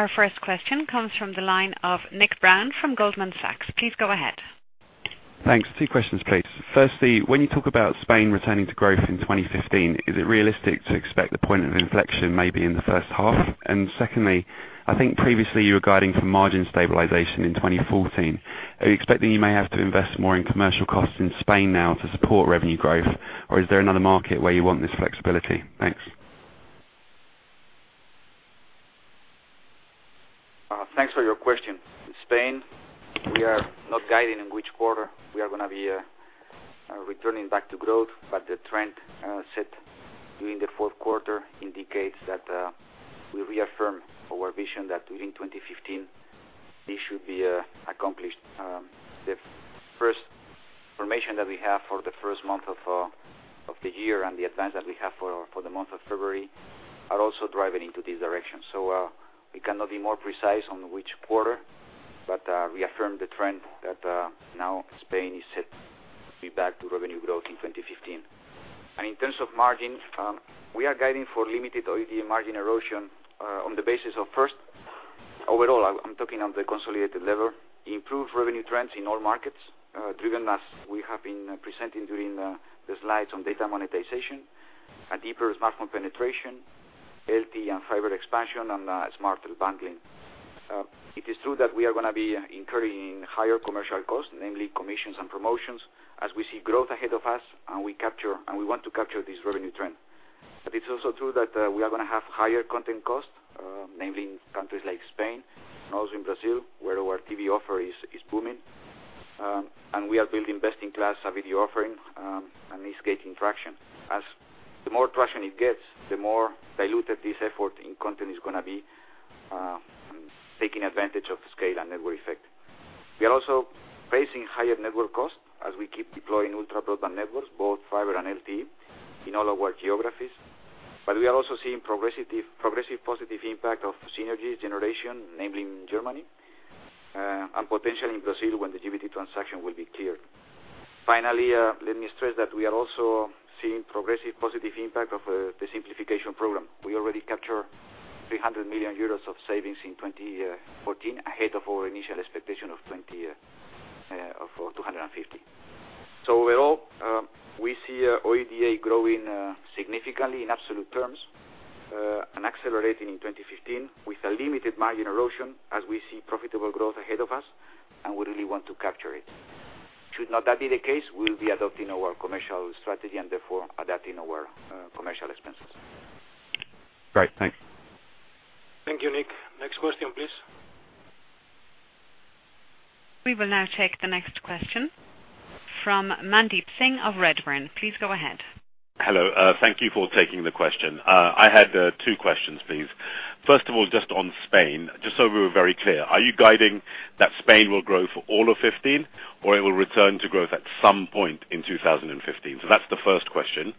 Our first question comes from the line of Nick Brown from Goldman Sachs. Please go ahead. Thanks. Two questions, please. Firstly, when you talk about Spain returning to growth in 2015, is it realistic to expect the point of inflection maybe in the first half? Secondly, I think previously you were guiding for margin stabilization in 2014. Are you expecting you may have to invest more in commercial costs in Spain now to support revenue growth? Or is there another market where you want this flexibility? Thanks. Thanks for your question. In Spain, we are not guiding in which quarter we are going to be returning back to growth, but the trend set during the fourth quarter indicates that we reaffirm our vision that during 2015, this should be accomplished. The first information that we have for the first month of the year and the advance that we have for the month of February are also driving into this direction. We cannot be more precise on which quarter, but reaffirm the trend that now Spain is set to be back to revenue growth in 2015. In terms of margin, we are guiding for limited OIBDA margin erosion on the basis of first, overall, I'm talking on the consolidated level, improved revenue trends in all markets, driven as we have been presenting during the slides on data monetization, a deeper smartphone penetration, LTE and fiber expansion, and smart bundling. It is true that we are going to be incurring higher commercial costs, namely commissions and promotions, as we see growth ahead of us, and we want to capture this revenue trend. It's also true that we are going to have higher content costs, namely in countries like Spain and also in Brazil, where our TV offer is booming. We are building best-in-class video offering, and it's gaining traction. As the more traction it gets, the more diluted this effort in content is going to be taking advantage of scale and network effect. We are also facing higher network costs as we keep deploying ultra broadband networks, both fiber and LTE in all our geographies. We are also seeing progressive positive impact of synergy generation, namely in Germany, and potentially in Brazil when the GVT transaction will be cleared. Finally, let me stress that we are also seeing progressive positive impact of the simplification program. We already capture 300 million euros of savings in 2014, ahead of our initial expectation of 250 million. Overall, we see OIBDA growing significantly in absolute terms, and accelerating in 2015 with a limited margin erosion as we see profitable growth ahead of us and we really want to capture it. Should not that be the case, we will be adopting our commercial strategy and therefore adapting our commercial expenses. Great. Thanks. Thank you, Nick. Next question, please. We will now take the next question from Mandeep Singh of Redburn. Please go ahead. Hello. Thank you for taking the question. I had two questions, please. First of all, just on Spain, just so we were very clear, are you guiding that Spain will grow for all of 2015, or it will return to growth at some point in 2015? That's the first question.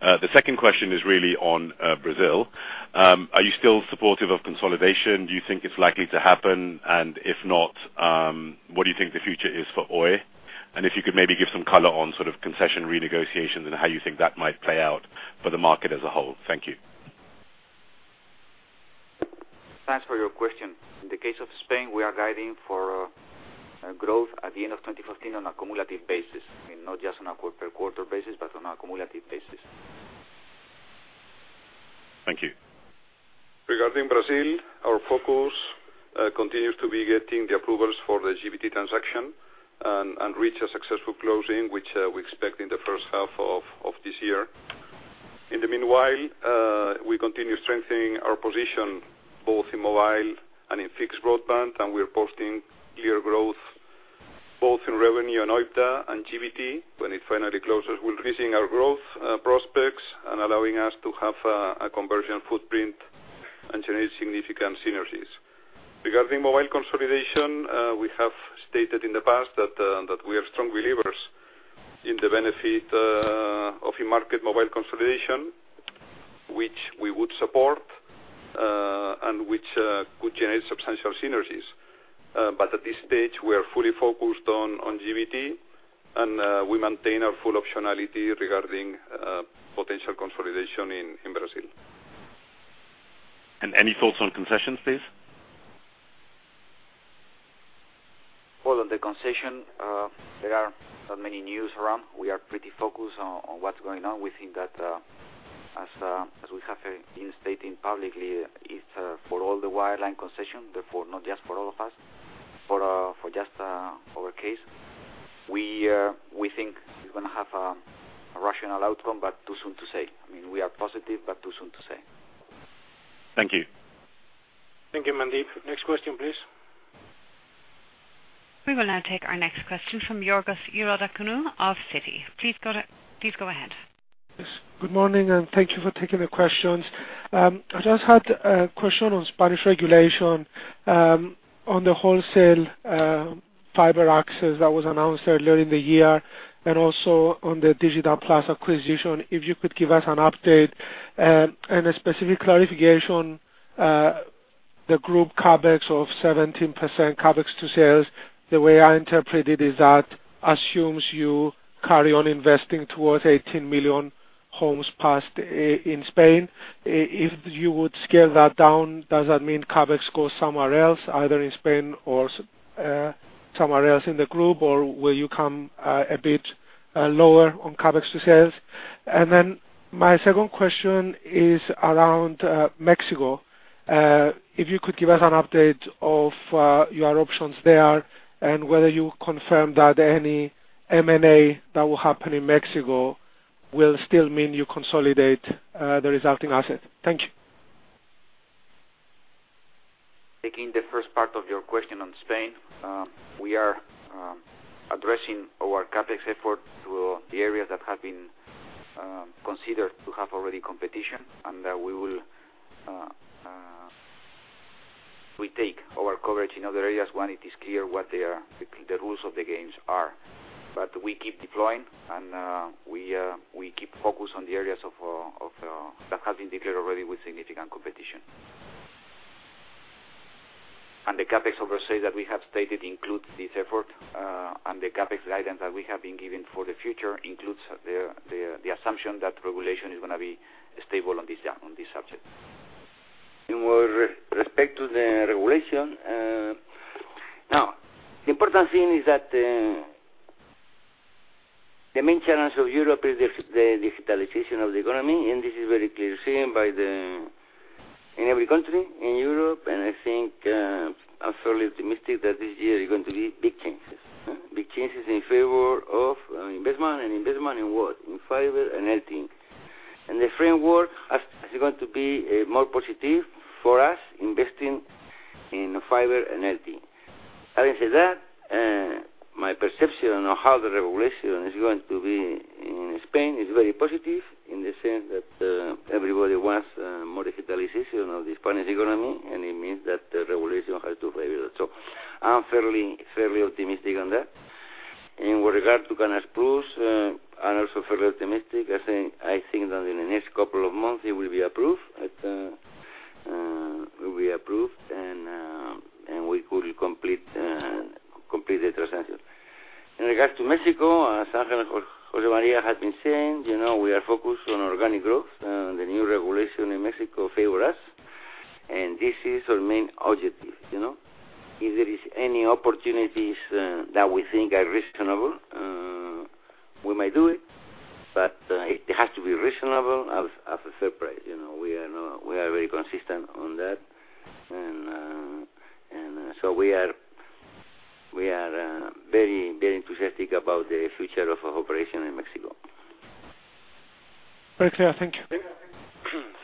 The second question is really on Brazil. Are you still supportive of consolidation? Do you think it's likely to happen? If not, what do you think the future is for Oi? If you could maybe give some color on sort of concession renegotiations and how you think that might play out for the market as a whole. Thank you. Thanks for your question. In the case of Spain, we are guiding for growth at the end of 2015 on a cumulative basis, not just on a per quarter basis, but on a cumulative basis. Thank you. Regarding Brazil, our focus continues to be getting the approvals for the GVT transaction and reach a successful closing, which we expect in the first half of this year. In the meanwhile, we continue strengthening our position both in mobile and in fixed broadband, and we're posting clear growth both in revenue and OIBDA and GVT. When it finally closes, we're increasing our growth prospects and allowing us to have a conversion footprint and generate significant synergies. Regarding mobile consolidation, we have stated in the past that we are strong believers in the benefit of in-market mobile consolidation, which we would support, and which could generate substantial synergies. At this stage, we are fully focused on GVT, and we maintain our full optionality regarding potential consolidation in Brazil. Any thoughts on concessions, please? Well, on the concession, there are not many news around. We are pretty focused on what's going on. We think that, as we have been stating publicly, it's for all the wireline concession, therefore, not just for all of us, for just our case. We think we're going to have a rational outcome, but too soon to say. We are positive, but too soon to say. Thank you. Thank you, Mandeep. Next question, please. We will now take our next question from Georgios Ierodiaconou of Citi. Please go ahead. Yes, good morning, thank you for taking the questions. I just had a question on Spanish regulation, on the wholesale fiber access that was announced earlier in the year, also on the Digital+ acquisition. If you could give us an update and a specific clarification, the group CapEx of 17% CapEx to sales, the way I interpret it is that assumes you carry on investing towards 18 million homes passed in Spain. If you would scale that down, does that mean CapEx goes somewhere else, either in Spain or somewhere else in the group? Will you come a bit lower on CapEx to sales? My second question is around Mexico. If you could give us an update of your options there and whether you confirm that any M&A that will happen in Mexico will still mean you consolidate the resulting assets. Thank you. Taking the first part of your question on Spain. We are addressing our CapEx effort to the areas that have been considered to have already competition, that we take our coverage in other areas when it is clear what the rules of the games are. We keep deploying and we keep focused on the areas that have been declared already with significant competition. The CapEx over sales that we have stated includes this effort, the CapEx guidance that we have been given for the future includes the assumption that regulation is going to be stable on this subject. In respect to the regulation. The important thing is that the main challenge of Europe is the digitalization of the economy, this is very clearly seen in every country in Europe. I think I'm fairly optimistic that this year there's going to be big changes. Big changes in favor of investment. Investment in what? In fiber and LTE. The framework is going to be more positive for us investing in fiber and LTE. Having said that, my perception on how the regulation is going to be in Spain is very positive in the sense that everybody wants more digitalization of the Spanish economy, it means that the regulation has to favor that. I'm fairly optimistic on that. In regard to Canal+, I'm also fairly optimistic. I think that in the next couple of months it will be approved, and we could complete the transaction. In regards to Mexico, as José María has been saying, we are focused on organic growth. The new regulation in Mexico favor us, and this is our main objective. If there is any opportunities that we think are reasonable, we might do it, but it has to be reasonable at a fair price. We are very consistent on that. We are very enthusiastic about the future of our operation in Mexico. Very clear. Thank you.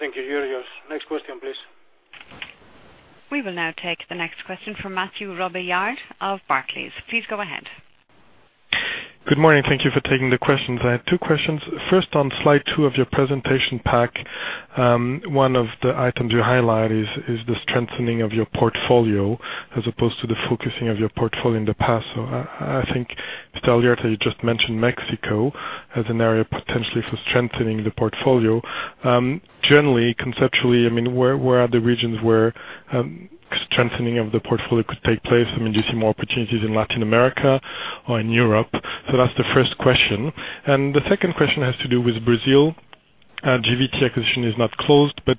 Thank you, Georgios. Next question, please. We will now take the next question from Mathieu Robilliard of Barclays. Please go ahead. Good morning. Thank you for taking the questions. I have two questions. First, on slide two of your presentation pack, one of the items you highlight is the strengthening of your portfolio as opposed to the focusing of your portfolio in the past. I think, Mr. Alierta, you just mentioned Mexico as an area potentially for strengthening the portfolio. Generally, conceptually, where are the regions where strengthening of the portfolio could take place? Do you see more opportunities in Latin America or in Europe? That's the first question. The second question has to do with Brazil. GVT acquisition is not closed, but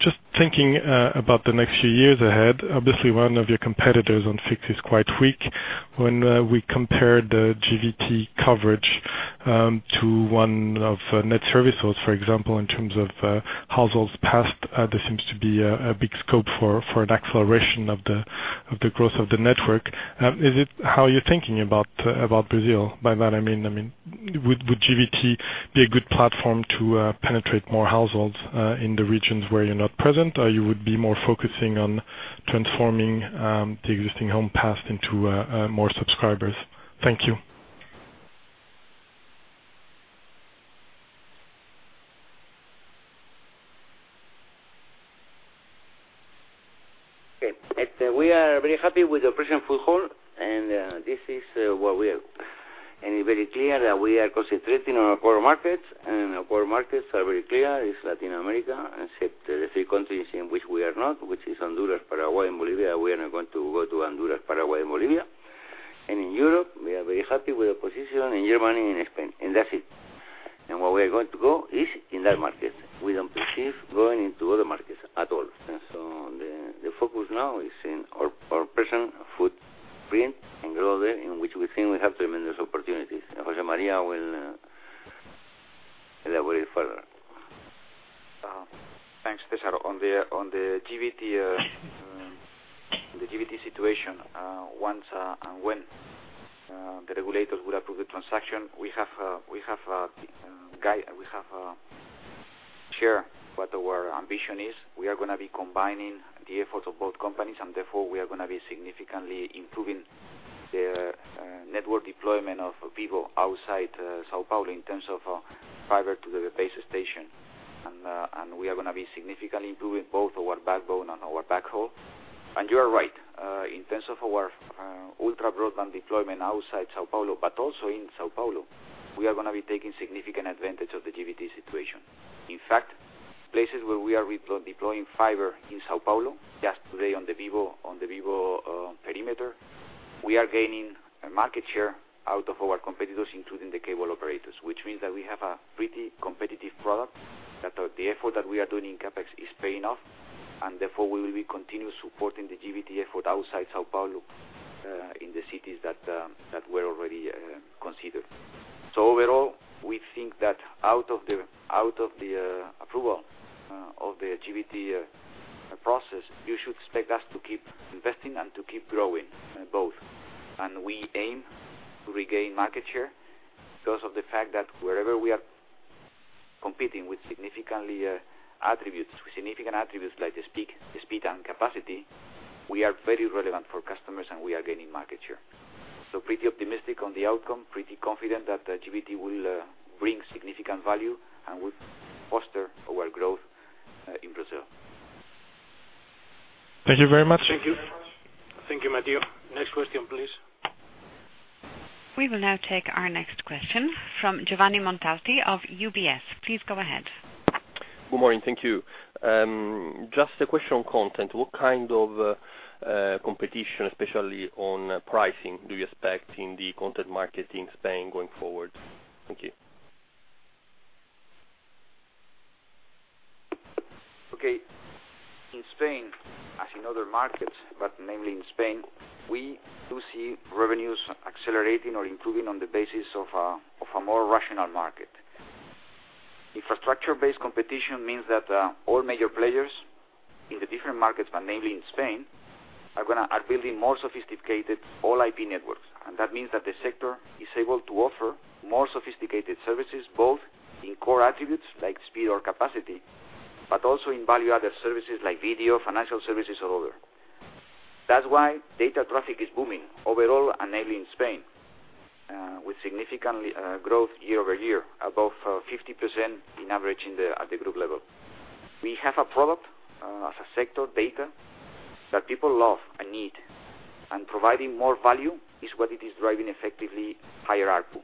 just thinking about the next few years ahead, obviously one of your competitors on fixed is quite weak. When we compared the GVT coverage to one of Net Serviços, for example, in terms of households passed, there seems to be a big scope for an acceleration of the growth of the network. Is it how you're thinking about Brazil? By that I mean, would GVT be a good platform to penetrate more households in the regions where you're not present, or you would be more focusing on transforming the existing home passed into more subscribers? Thank you. Okay. We are very happy with the present foothold, it's very clear that we are concentrating on our core markets, our core markets are very clear, is Latin America, except the three countries in which we are not, which is Honduras, Paraguay, and Bolivia. We are not going to go to Honduras, Paraguay, and Bolivia. In Europe, we are very happy with our position in Germany and in Spain. That's it. Where we are going to go is in that market. We don't perceive going into other markets at all. The focus now is in our present footprint and grow there, in which we think we have tremendous opportunities. José María will elaborate further. Thanks, César. On the GVT situation, once and when the regulators will approve the transaction, we have shared what our ambition is. We are going to be combining the efforts of both companies, therefore, we are going to be significantly improving the network deployment of Vivo outside São Paulo in terms of fiber to the base station. We are going to be significantly improving both our backbone and our backhaul. You are right, in terms of our ultra broadband deployment outside São Paulo, but also in São Paulo, we are going to be taking significant advantage of the GVT situation. In fact, places where we are deploying fiber in São Paulo, just today on the Vivo perimeter, we are gaining market share out of our competitors, including the cable operators, which means that we have a pretty competitive product, that the effort that we are doing in CapEx is paying off, and therefore, we will be continuous supporting the GVT effort outside São Paulo, in the cities that were already considered. Overall, we think that out of the approval of the GVT process, you should expect us to keep investing and to keep growing, both. We aim to regain market share because of the fact that wherever we are competing with significant attributes, like the speed and capacity, we are very relevant for customers, and we are gaining market share. Pretty optimistic on the outcome, pretty confident that GVT will bring significant value and will foster our growth in Brazil. Thank you very much. Thank you. Thank you. Thank you, Mathieu. Next question, please. We will now take our next question from Giovanni Montalti of UBS. Please go ahead. Good morning. Thank you. Just a question on content. What kind of competition, especially on pricing, do you expect in the content market in Spain going forward? Thank you. Okay. In Spain, as in other markets, but mainly in Spain, we do see revenues accelerating or improving on the basis of a more rational market. Infrastructure-based competition means that all major players in the different markets, but mainly in Spain, are building more sophisticated all-IP networks. That means that the sector is able to offer more sophisticated services, both in core attributes like speed or capacity, but also in value-added services like video, financial services or other. That's why data traffic is booming overall and mainly in Spain, with significant growth year-over-year, above 50% in average at the group level. We have a product as a sector, data, that people love and need, and providing more value is what it is driving effectively higher ARPU.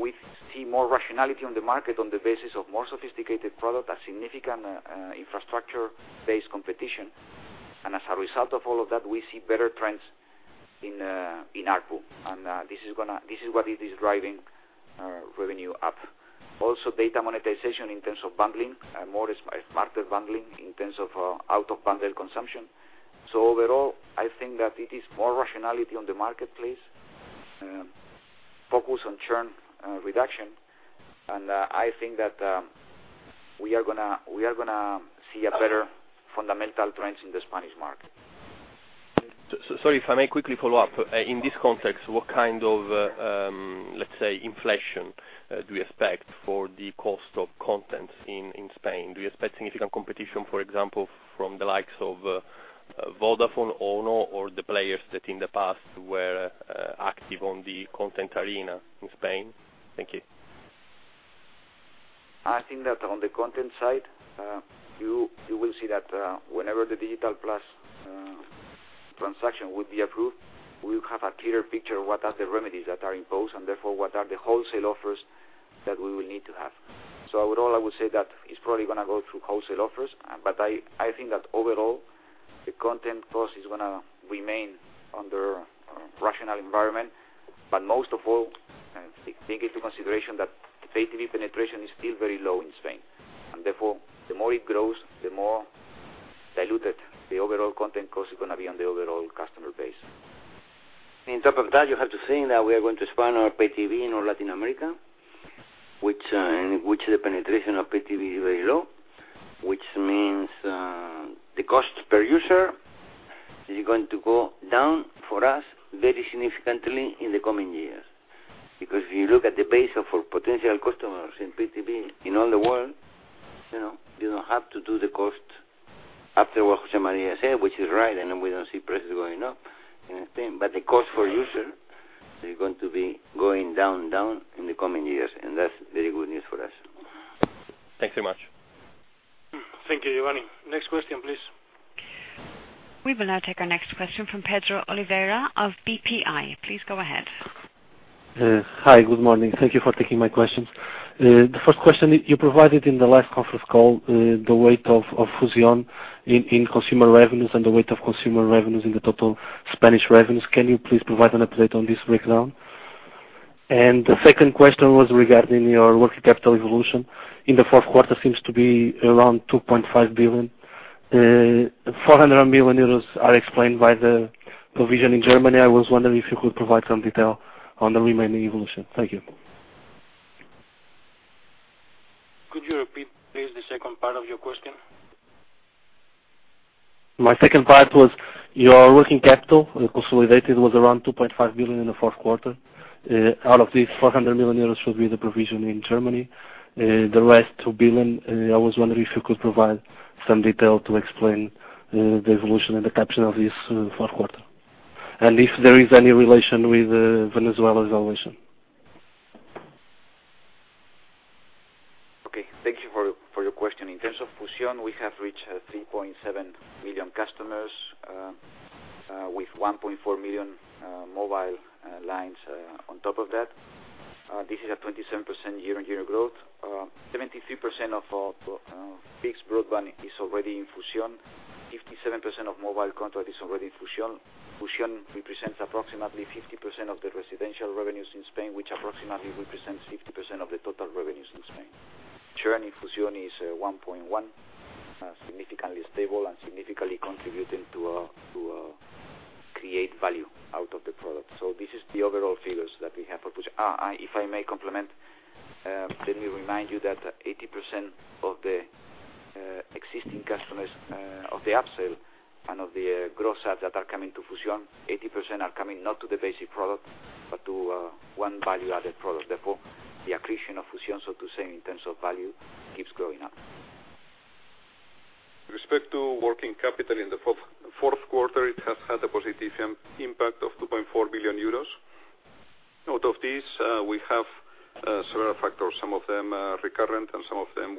We see more rationality on the market on the basis of more sophisticated product and significant infrastructure-based competition. As a result of all of that, we see better trends in ARPU. This is what it is driving our revenue up. Also, data monetization in terms of bundling, more smarter bundling in terms of out-of-bundle consumption. Overall, I think that it is more rationality on the marketplace, focus on churn reduction, I think that we are going to see a better fundamental trends in the Spanish market. Sorry, if I may quickly follow up. In this context, what kind of, let's say, inflation do you expect for the cost of content in Spain? Do you expect significant competition, for example, from the likes of Vodafone, Ono, or the players that in the past were active on the content arena in Spain? Thank you. I think that on the content side, you will see that whenever the Digital+ transaction will be approved, we will have a clearer picture of what are the remedies that are imposed, and therefore, what are the wholesale offers that we will need to have. Overall, I would say that it's probably going to go through wholesale offers, I think that overall, the content cost is going to remain under a rational environment. Most of all, take into consideration that the pay TV penetration is still very low in Spain, and therefore, the more it grows, the more diluted the overall content cost is going to be on the overall customer base. On top of that, you have to think that we are going to expand our pay TV in all Latin America, in which the penetration of pay TV is very low, which means the cost per user is going to go down for us very significantly in the coming years. Because if you look at the base of our potential customers in pay TV in all the world, you don't have to do the cost After what José María said, which is right, and then we don't see prices going up in Spain, but the cost per user is going to be going down in the coming years, and that's very good news for us. Thanks very much. Thank you, Giovanni. Next question, please. We will now take our next question from Pedro Oliveira of BPI. Please go ahead. Hi. Good morning. Thank you for taking my questions. The first question, you provided in the last conference call, the weight of Fusión in consumer revenues and the weight of consumer revenues in the total Spanish revenues. Can you please provide an update on this breakdown? The second question was regarding your working capital evolution. In the fourth quarter, seems to be around 2.5 billion. 400 million euros are explained by the provision in Germany. I was wondering if you could provide some detail on the remaining evolution. Thank you. Could you repeat, please, the second part of your question? My second part was your working capital, consolidated, was around 2.5 billion in the fourth quarter. Out of this, 400 million euros will be the provision in Germany. The rest, 2 billion, I was wondering if you could provide some detail to explain the evolution and the caption of this fourth quarter. If there is any relation with Venezuela's evolution. Okay. Thank you for your question. In terms of Fusion, we have reached 3.7 million customers, with 1.4 million mobile lines on top of that. This is a 27% year-on-year growth. 73% of our fixed broadband is already in Fusion. 57% of mobile contract is already in Fusion. Fusion represents approximately 50% of the residential revenues in Spain, which approximately represents 50% of the total revenues in Spain. Churn in Fusion is 1.1, significantly stable and significantly contributing to create value out of the product. This is the overall figures that we have for Fusion. If I may complement, let me remind you that 80% of the existing customers of the upsell and of the gross add that are coming to Fusion, 80% are coming not to the basic product, but to one value-added product. The accretion of Fusion, so to say, in terms of value, keeps going up. Respect to working capital in the fourth quarter, it has had a positive impact of 2.4 billion euros. Out of these, we have several factors, some of them are recurrent, and some of them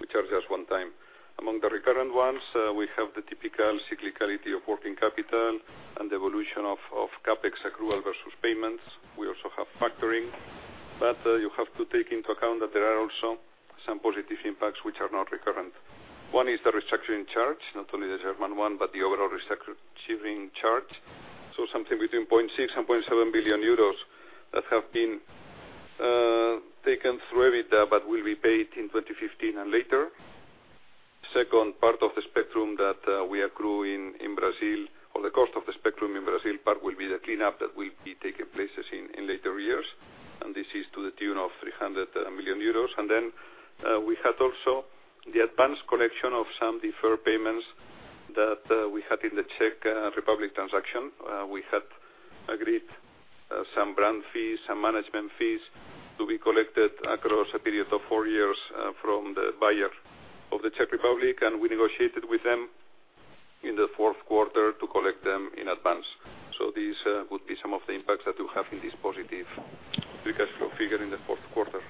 which are just one time. Among the recurrent ones, we have the typical cyclicality of working capital and the evolution of CapEx accrual versus payments. We also have factoring. But you have to take into account that there are also some positive impacts which are not recurrent. One is the restructuring charge, not only the German one, but the overall restructuring charge. Something between 0.6 billion euros and 0.7 billion euros that have been taken through OIBDA, but will be paid in 2015 and later. Second part of the spectrum that we accrue in Brazil, or the cost of the spectrum in Brazil, part will be the cleanup that will be taking places in later years. This is to the tune of 300 million euros. Then we had also the advanced collection of some deferred payments that we had in the Czech Republic transaction. We had agreed some brand fees, some management fees to be collected across a period of four years from the buyer of the Czech Republic, and we negotiated with them in the fourth quarter to collect them in advance. So these would be some of the impacts that we have in this positive free cash flow figure in the fourth quarter.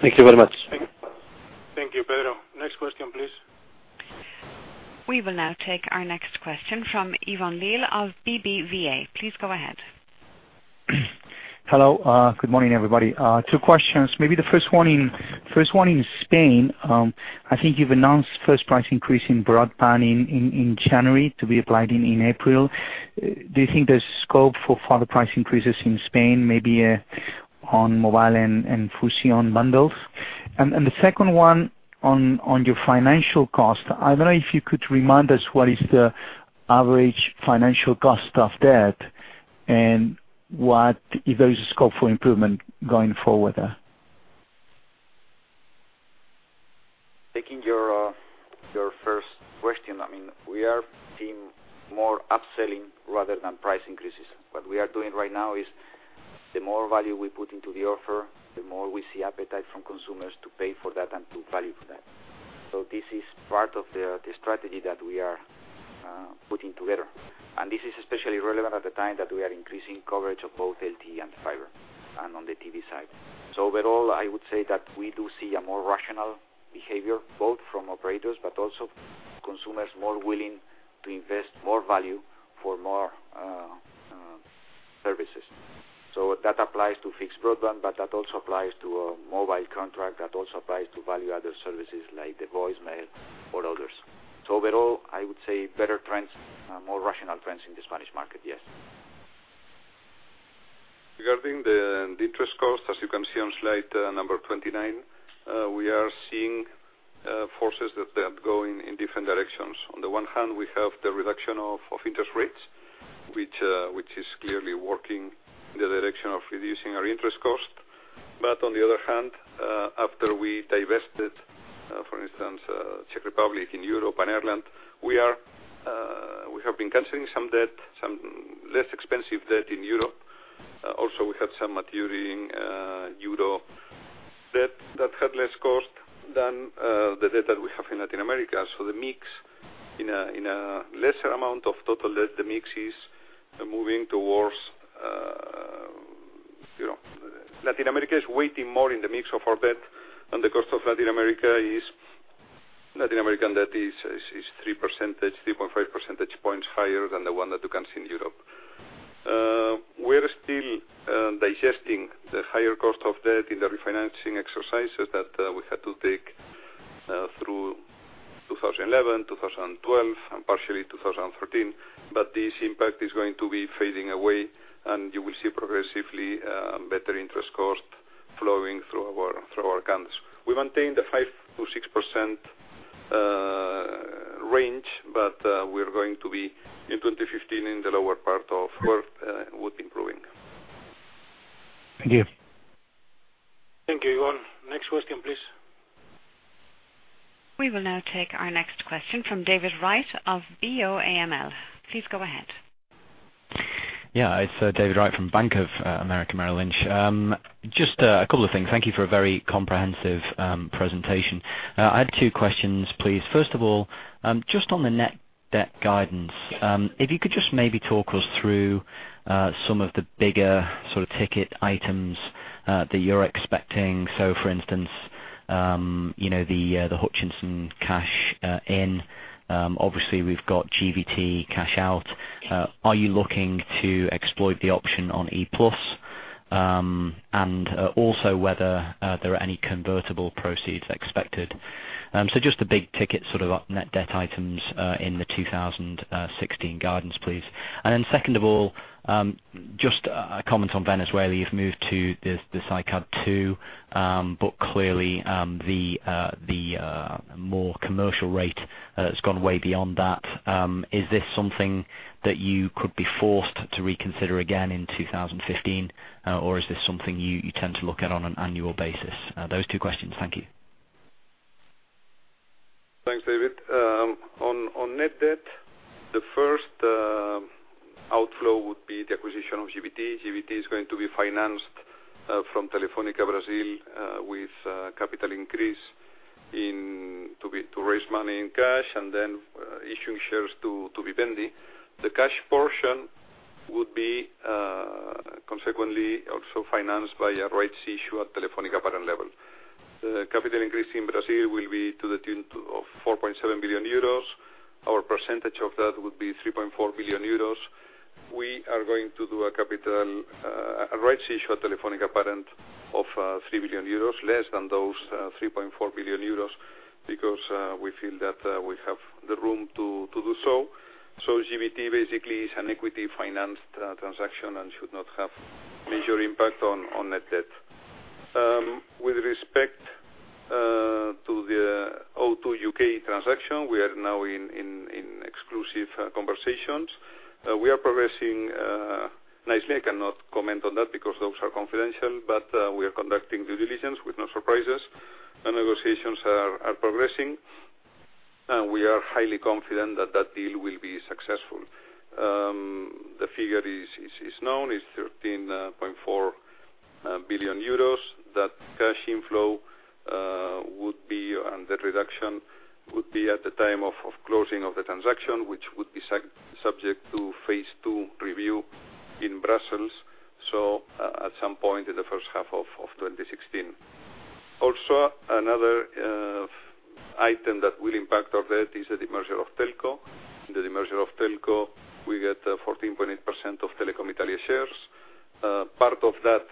Thank you very much. Thank you, Pedro. Next question, please. We will now take our next question from of BBVA. Please go ahead. Hello. Good morning, everybody. Two questions. Maybe the first one in Spain. I think you've announced first price increase in broadband in January to be applied in April. Do you think there's scope for further price increases in Spain, maybe on mobile and Fusion bundles? The second one on your financial cost. I don't know if you could remind us what is the average financial cost of debt, and if there is a scope for improvement going forward there. Taking your first question. We are seeing more upselling rather than price increases. What we are doing right now is the more value we put into the offer, the more we see appetite from consumers to pay for that and to value for that. This is part of the strategy that we are putting together. This is especially relevant at the time that we are increasing coverage of both LTE and fiber and on the TV side. Overall, I would say that we do see a more rational behavior, both from operators but also consumers more willing to invest more value for more services. That applies to fixed broadband, but that also applies to a mobile contract, that also applies to value-added services like the voicemail or others. Overall, I would say better trends, more rational trends in the Spanish market, yes. Regarding the interest cost, as you can see on slide number 29, we are seeing forces that are going in different directions. On the one hand, we have the reduction of interest rates, which is clearly working in the direction of reducing our interest cost. On the other hand, after we divested, for instance, Czech Republic in Europe and Ireland, we have been canceling some debt, some less expensive debt in Europe. Also, we had some maturing euro debt that had less cost than the debt that we have in Latin America. The mix in a lesser amount of total debt, the mix is moving towards, Latin America is weighting more in the mix of our debt, and the cost of Latin American debt is 3.5 percentage points higher than the one that you can see in Europe. We're still digesting the higher cost of debt in the refinancing exercises that we had to take through 2011, 2012, and partially 2013. This impact is going to be fading away, and you will see progressively better interest cost flowing through our accounts. We maintained a 5%-6% range, we're going to be in 2015 in the lower part of where it would be improving. Thank you. Thank you, Iván. Next question, please. We will now take our next question from David Wright of BofA Merrill Lynch. Please go ahead. Yeah. It's David Wright from Bank of America Merrill Lynch. Just a couple of things. Thank you for a very comprehensive presentation. I had two questions, please. First of all, just on the net debt guidance, if you could just maybe talk us through some of the bigger ticket items that you're expecting. For instance, the Hutchison cash in. Obviously, we've got GVT cash out. Are you looking to exploit the option on E-Plus? Also whether there are any convertible proceeds expected. Just the big ticket net debt items in the 2016 guidance, please. Second of all, just a comment on Venezuela. You've moved to the SICAD II, but clearly, the more commercial rate has gone way beyond that. Is this something that you could be forced to reconsider again in 2015? Or is this something you tend to look at on an annual basis? Those two questions. Thank you. Thanks, David. On net debt, the first outflow would be the acquisition of GVT. GVT is going to be financed from Telefônica Brasil with capital increase to raise money in cash, and then issuing shares to Vivendi. The cash portion would be consequently also financed by a rights issue at Telefónica parent level. The capital increase in Brazil will be to the tune of 4.7 billion euros. Our percentage of that would be 3.4 billion euros. We are going to do a rights issue at Telefónica parent of 3 billion euros, less than those 3.4 billion euros because we feel that we have the room to do so. GVT basically is an equity-financed transaction and should not have major impact on net debt. With respect to the O2 UK transaction, we are now in exclusive conversations. We are progressing nicely. I cannot comment on that because those are confidential, we are conducting due diligence with no surprises. The negotiations are progressing, we are highly confident that that deal will be successful. The figure is known, it's 13.4 billion euros. That cash inflow and debt reduction would be at the time of closing of the transaction, which would be subject to phase 2 review in Brussels, at some point in the first half of 2016. Another item that will impact our debt is the demerger of Telco. In the demerger of Telco, we get 14.8% of Telecom Italia shares. Part of that,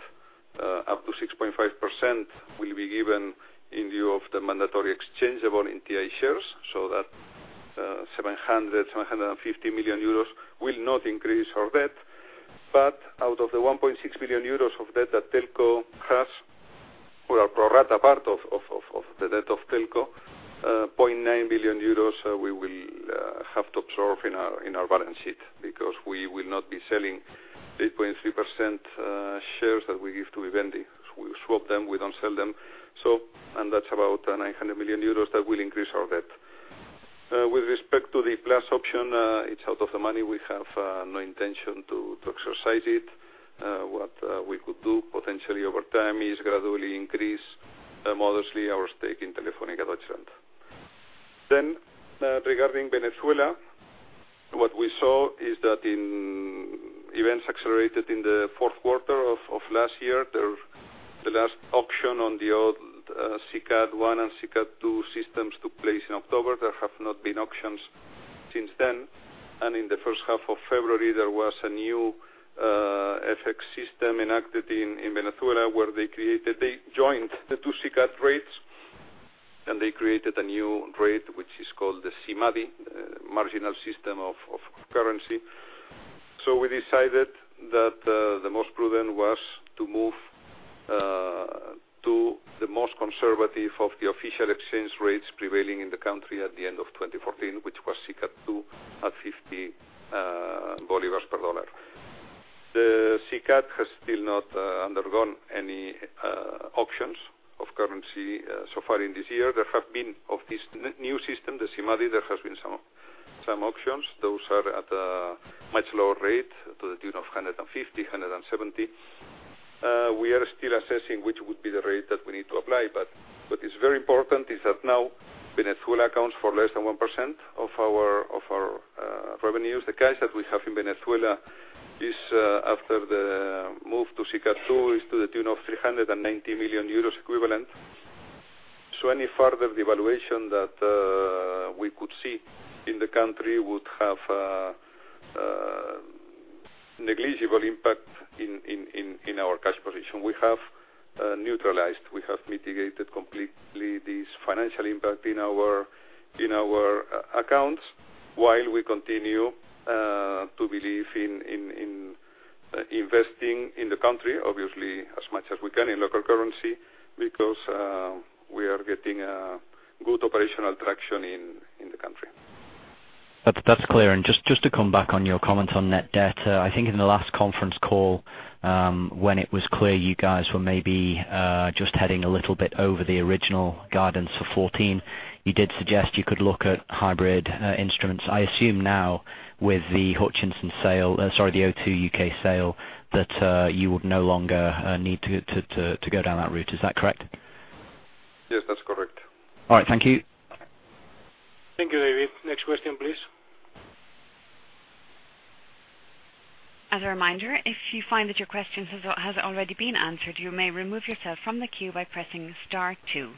up to 6.5%, will be given in lieu of the mandatory exchangeable Intesa shares, that 750 million euros will not increase our debt. Out of the 1.6 billion euros of debt that Telco has, or a pro rata part of the debt of Telco, 0.9 billion euros we will have to absorb in our balance sheet because we will not be selling 3.3% shares that we give to Vivendi. We swap them, we don't sell them. That's about 900 million euros that will increase our debt. With respect to the Plus option, it's out of the money. We have no intention to exercise it. What we could do potentially over time is gradually increase modestly our stake in Telefónica Deutschland. Regarding Venezuela, what we saw is that events accelerated in the fourth quarter of last year. The last auction on the old SICAD I and SICAD II systems took place in October. There have not been auctions since then, in the first half of February, there was a new FX system enacted in Venezuela where they joined the two SICAD rates, they created a new rate, which is called the SIMADI, marginal system of currency. We decided that the most prudent was to move to the most conservative of the official exchange rates prevailing in the country at the end of 2014, which was SICAD II at 50 bolivars per USD. The SICAD has still not undergone any auctions of currency so far in this year, there have been, of this new system, the SIMADI, there has been some options. Those are at a much lower rate to the tune of 150, 170. We are still assessing which would be the rate that we need to apply. What is very important is that now Venezuela accounts for less than 1% of our revenues. The cash that we have in Venezuela is, after the move to SICAD II, is to the tune of 390 million euros equivalent. Any further devaluation that we could see in the country would have negligible impact in our cash position. We have neutralized, we have mitigated completely this financial impact in our accounts while we continue to believe in investing in the country, obviously as much as we can in local currency, because we are getting good operational traction in the country. That's clear. Just to come back on your comment on net debt, I think in the last conference call, when it was clear you guys were maybe just heading a little bit over the original guidance for 2014, you did suggest you could look at hybrid instruments. I assume now with the Hutchison sale, sorry, the O2 UK sale, that you would no longer need to go down that route. Is that correct? Yes, that's correct. All right. Thank you. Thank you, David. Next question, please. As a reminder, if you find that your question has already been answered, you may remove yourself from the queue by pressing star 2.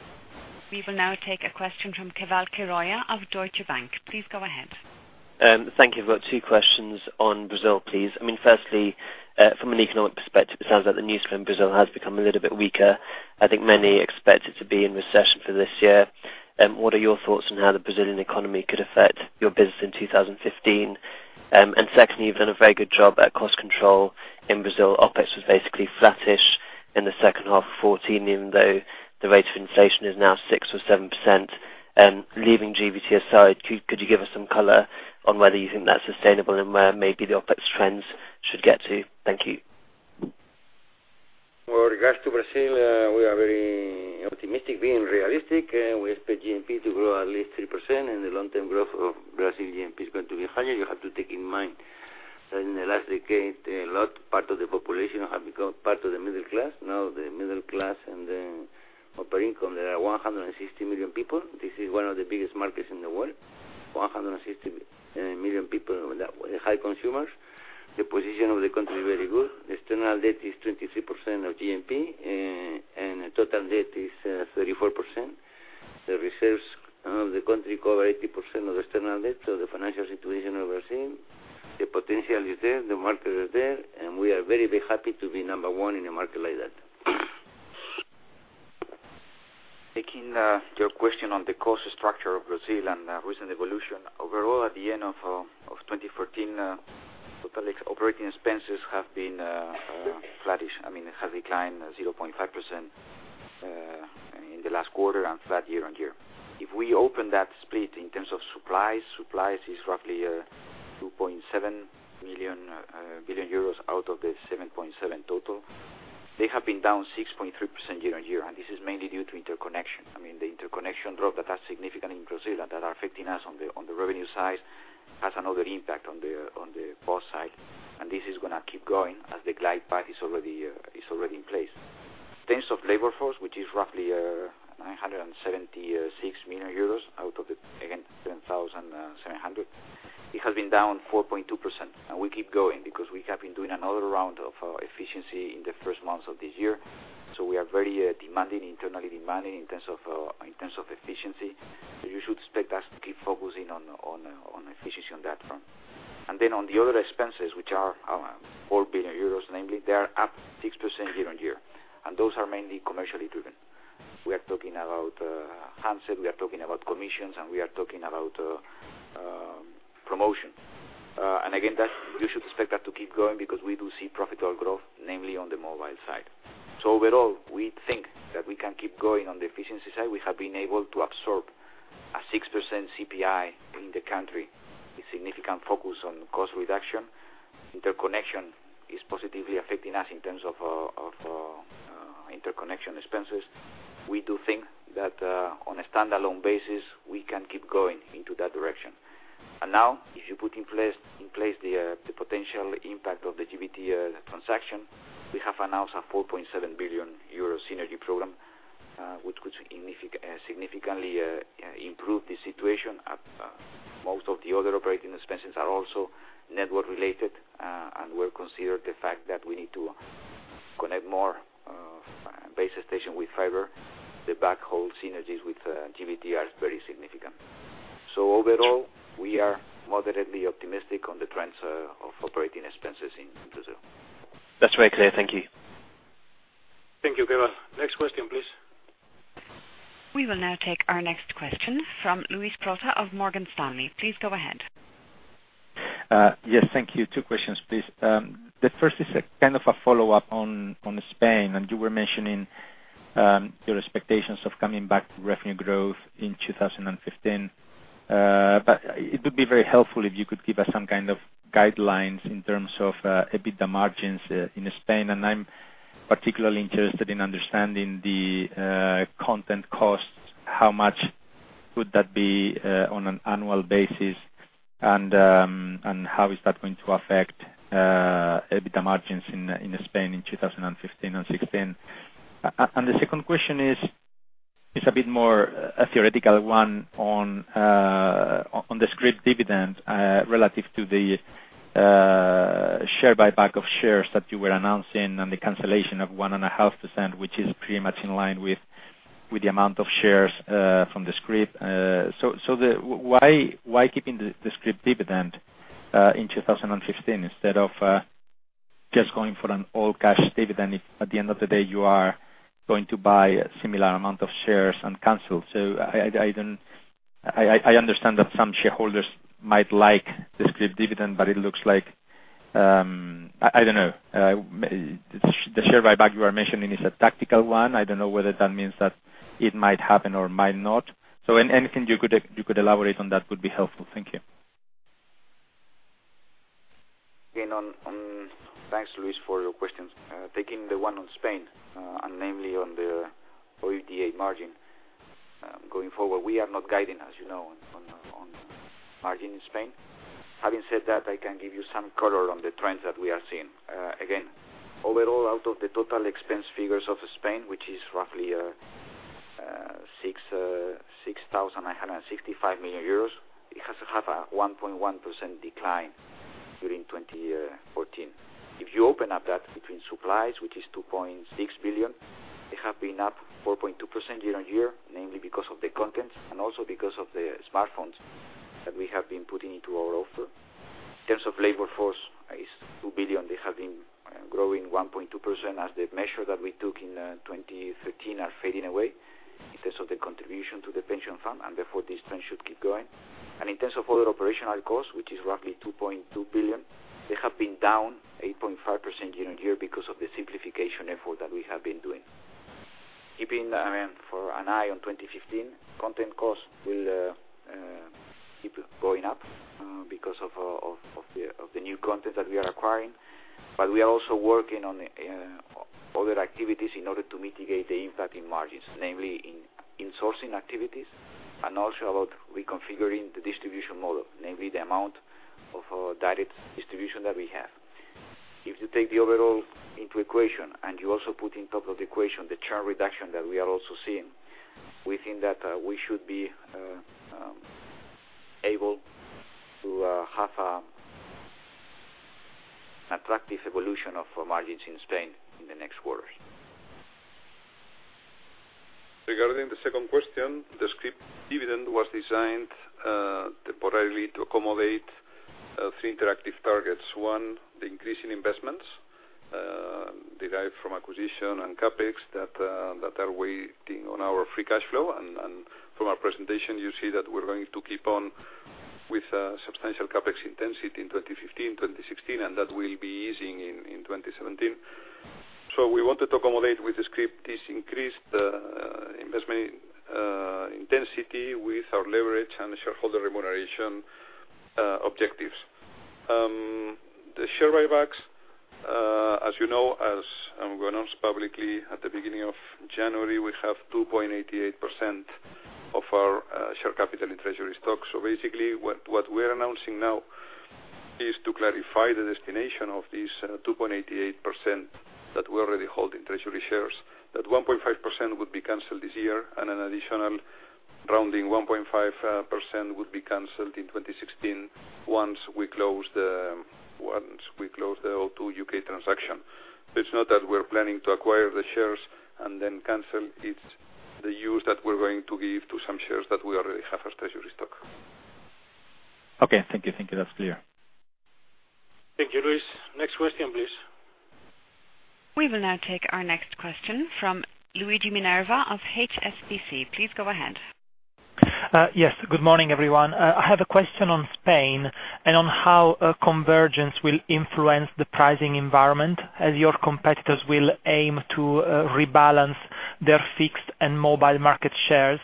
We will now take a question from Keval Khiroya of Deutsche Bank. Please go ahead. Thank you. I've got two questions on Brazil, please. Firstly, from an economic perspective, it sounds like the news from Brazil has become a little bit weaker. I think many expect it to be in recession for this year. What are your thoughts on how the Brazilian economy could affect your business in 2015? Secondly, you've done a very good job at cost control in Brazil. OpEx was basically flattish in the second half of 2014, even though the rate of inflation is now 6% or 7%. Leaving GVT aside, could you give us some color on whether you think that's sustainable and where maybe the OpEx trends should get to? Thank you. With regards to Brazil, we are very optimistic, being realistic. We expect GDP to grow at least 3%. The long-term growth of Brazil GDP is going to be higher. You have to keep in mind that in the last decade, a large part of the population have become part of the middle class. Now the middle class and the operating company, there are 160 million people. This is one of the biggest markets in the world, 160 million people, high consumers. The position of the country is very good. The external debt is 23% of GDP. Total debt is 34%. The reserves of the country cover 80% of external debt. The financial situation of Brazil, the potential is there, the market is there, and we are very, very happy to be number 1 in a market like that. Taking your question on the cost structure of Brazil and recent evolution. Overall, at the end of 2014, total operating expenses have been flattish. It has declined 0.5% in the last quarter and flat year-on-year. If we open that split in terms of supplies is roughly 2.7 billion euros out of the 7.7 billion total. They have been down 6.3% year-on-year, this is mainly due to interconnection. The interconnection drop that are significant in Brazil, that are affecting us on the revenue side, has another impact on the cost side, this is going to keep going as the glide path is already in place. In terms of labor force, which is roughly 976 million euros out of the, again, 7.7 billion, it has been down 4.2%, will keep going because we have been doing another round of efficiency in the first months of this year. We are very demanding internally in terms of efficiency. You should expect us to keep focusing on efficiency on that front. On the other expenses, which are 4 billion euros, namely, they are up 6% year-on-year, those are mainly commercially driven. We are talking about handset, we are talking about commissions, and we are talking about promotion. Again, you should expect that to keep going because we do see profitable growth, namely on the mobile side. Overall, we think that we can keep going on the efficiency side. We have been able to absorb a 6% CPI in the country with significant focus on cost reduction. Interconnection is positively affecting us in terms of interconnection expenses. We do think that on a standalone basis, we can keep going into that direction. Now, if you put in place the potential impact of the GVT transaction, we have announced a 4.7 billion euro synergy program, which could significantly improve the situation. Most of the other operating expenses are also network related, we will consider the fact that we need to connect more base station with fiber. The backhaul synergies with GVT are very significant. Overall, we are moderately optimistic on the trends of operating expenses in Brazil. That's very clear. Thank you. Thank you, Keval. Next question, please. We will now take our next question from Luis Prota of Morgan Stanley. Please go ahead. Yes, thank you. Two questions, please. The first is a follow-up on Spain, and you were mentioning your expectations of coming back to revenue growth in 2015. It would be very helpful if you could give us some kind of guidelines in terms of EBITDA margins in Spain, and I'm particularly interested in understanding the content costs, how much would that be on an annual basis, and how is that going to affect EBITDA margins in Spain in 2015 and 2016. The second question is a bit more a theoretical one on the scrip dividend relative to the share buyback of shares that you were announcing and the cancellation of 1.5%, which is pretty much in line with the amount of shares from the scrip. Why keep the scrip dividend in 2015 instead of just going for an all cash dividend if, at the end of the day, you are going to buy a similar amount of shares and cancel? I understand that some shareholders might like the scrip dividend, but it looks like, the share buyback you are mentioning is a tactical one. I don't know whether that means that it might happen or might not. Anything you could elaborate on that would be helpful. Thank you. Thanks, Luis, for your questions. Namely on the OIBDA margin. Going forward, we are not guiding, as you know, on margin in Spain. Having said that, I can give you some color on the trends that we are seeing. Overall, out of the total expense figures of Spain, which is roughly 6,965 million euros, it has had a 1.1% decline during 2014. If you open up that between supplies, which is 2.6 billion, they have been up 4.2% year-over-year, namely because of the content and also because of the smartphones that we have been putting into our offer. In terms of labor force, is 2 billion, they have been growing 1.2% as the measure that we took in 2013 are fading away in terms of the contribution to the pension fund, and therefore this trend should keep going. In terms of other operational costs, which is roughly 2.2 billion, they have been down 8.5% year-over-year because of the simplification effort that we have been doing. Keeping for an eye on 2015, content costs will keep going up because of the new content that we are acquiring. We are also working on other activities in order to mitigate the impact in margins, namely in sourcing activities and also about reconfiguring the distribution model, namely the amount of direct distribution that we have. If you take the overall into equation and you also put on top of the equation the churn reduction that we are also seeing, we think that we should be able to have an attractive evolution of margins in Spain in the next quarters. Regarding the second question, the scrip dividend was designed temporarily to accommodate three interrelated targets. One, the increase in investments, derived from acquisition and CapEx that are waiting on our free cash flow. From our presentation, you see that we're going to keep on with substantial CapEx intensity in 2015, 2016, and that will be easing in 2017. We wanted to accommodate with the scrip this increased investment intensity with our leverage and shareholder remuneration objectives. The share buybacks, as you know, as were announced publicly at the beginning of January, we have 2.88% of our share capital in treasury stock. Basically what we're announcing now is to clarify the destination of this 2.88% that we already hold in treasury shares. That 1.5% would be canceled this year, and an additional rounding 1.5% would be canceled in 2016 once we close the O2 UK transaction. It's not that we're planning to acquire the shares and then cancel, it's the use that we're going to give to some shares that we already have as treasury stock. Okay. Thank you. That's clear. Thank you, Luis. Next question, please. We will now take our next question from Luigi Minerva of HSBC. Please go ahead. Yes. Good morning, everyone. I have a question on Spain and on how convergence will influence the pricing environment as your competitors will aim to rebalance their fixed and mobile market shares.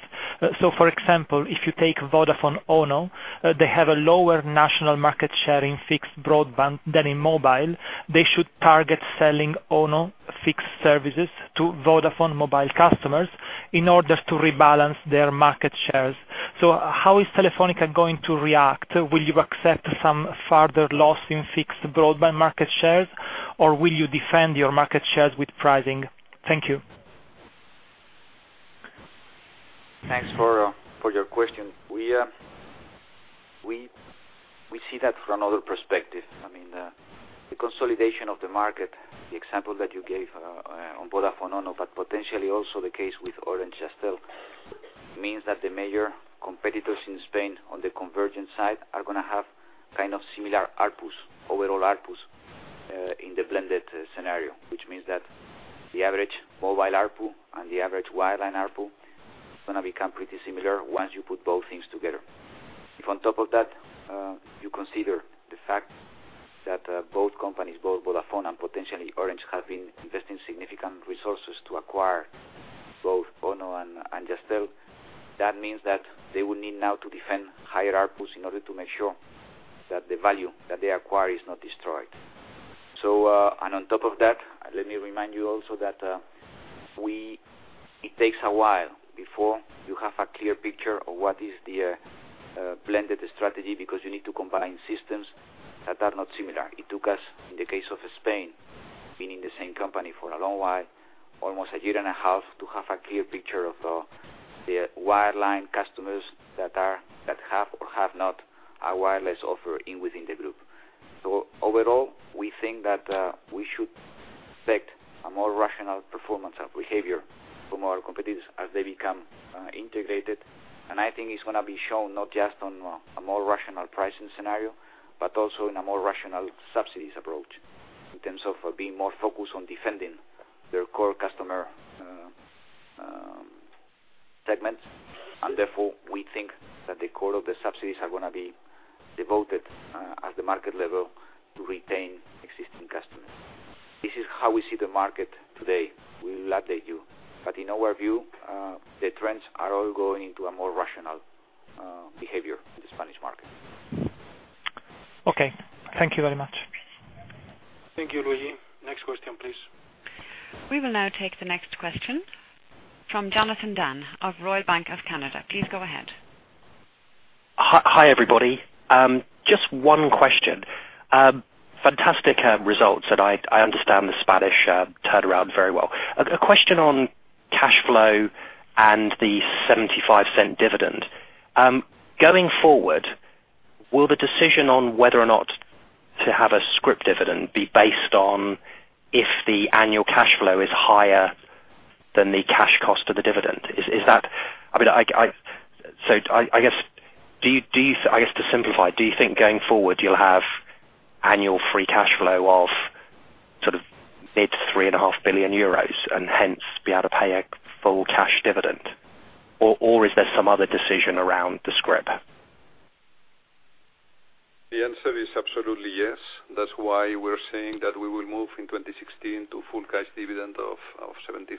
For example, if you take Vodafone Ono, they have a lower national market share in fixed broadband than in mobile. They should target selling O2 fixed services to Vodafone mobile customers in order to rebalance their market shares. How is Telefónica going to react? Will you accept some further loss in fixed broadband market shares, or will you defend your market shares with pricing? Thank you. Thanks for your question. We see that from another perspective. The consolidation of the market, the example that you gave on Vodafone Ono, but potentially also the case with Orange Jazztel, means that the major competitors in Spain on the convergence side are going to have similar overall ARPU in the blended scenario, which means that the average mobile ARPU and the average wireline ARPU is going to become pretty similar once you put both things together. If on top of that, you consider the fact that both companies, both Vodafone and potentially Orange, have been investing significant resources to acquire both O2 and Jazztel. That means that they will need now to defend higher ARPUs in order to make sure that the value that they acquire is not destroyed. On top of that, let me remind you also that it takes a while before you have a clear picture of what is the blended strategy because you need to combine systems that are not similar. It took us, in the case of Spain, being in the same company for a long while, almost a year and a half to have a clear picture of the wireline customers that have or have not a wireless offer within the group. Overall, we think that we should expect a more rational performance and behavior from our competitors as they become integrated. I think it's going to be shown not just on a more rational pricing scenario, but also in a more rational subsidies approach in terms of being more focused on defending their core customer segments. Therefore, we think that the core of the subsidies are going to be devoted at the market level to retain existing customers. This is how we see the market today. We will update you, but in our view, the trends are all going into a more rational behavior in the Spanish market. Okay. Thank you very much. Thank you, Luigi. Next question, please. We will now take the next question from Jonathan Dann of Royal Bank of Canada. Please go ahead. Hi, everybody. Just one question. Fantastic results, I understand the Spanish turnaround very well. A question on cash flow and the 0.75 dividend. Going forward, will the decision on whether or not to have a scrip dividend be based on if the annual cash flow is higher than the cash cost of the dividend? I guess to simplify, do you think going forward you'll have annual free cash flow of mid 3.5 billion euros and hence be able to pay a full cash dividend? Is there some other decision around the scrip? The answer is absolutely yes. That's why we're saying that we will move in 2016 to full cash dividend of 0.75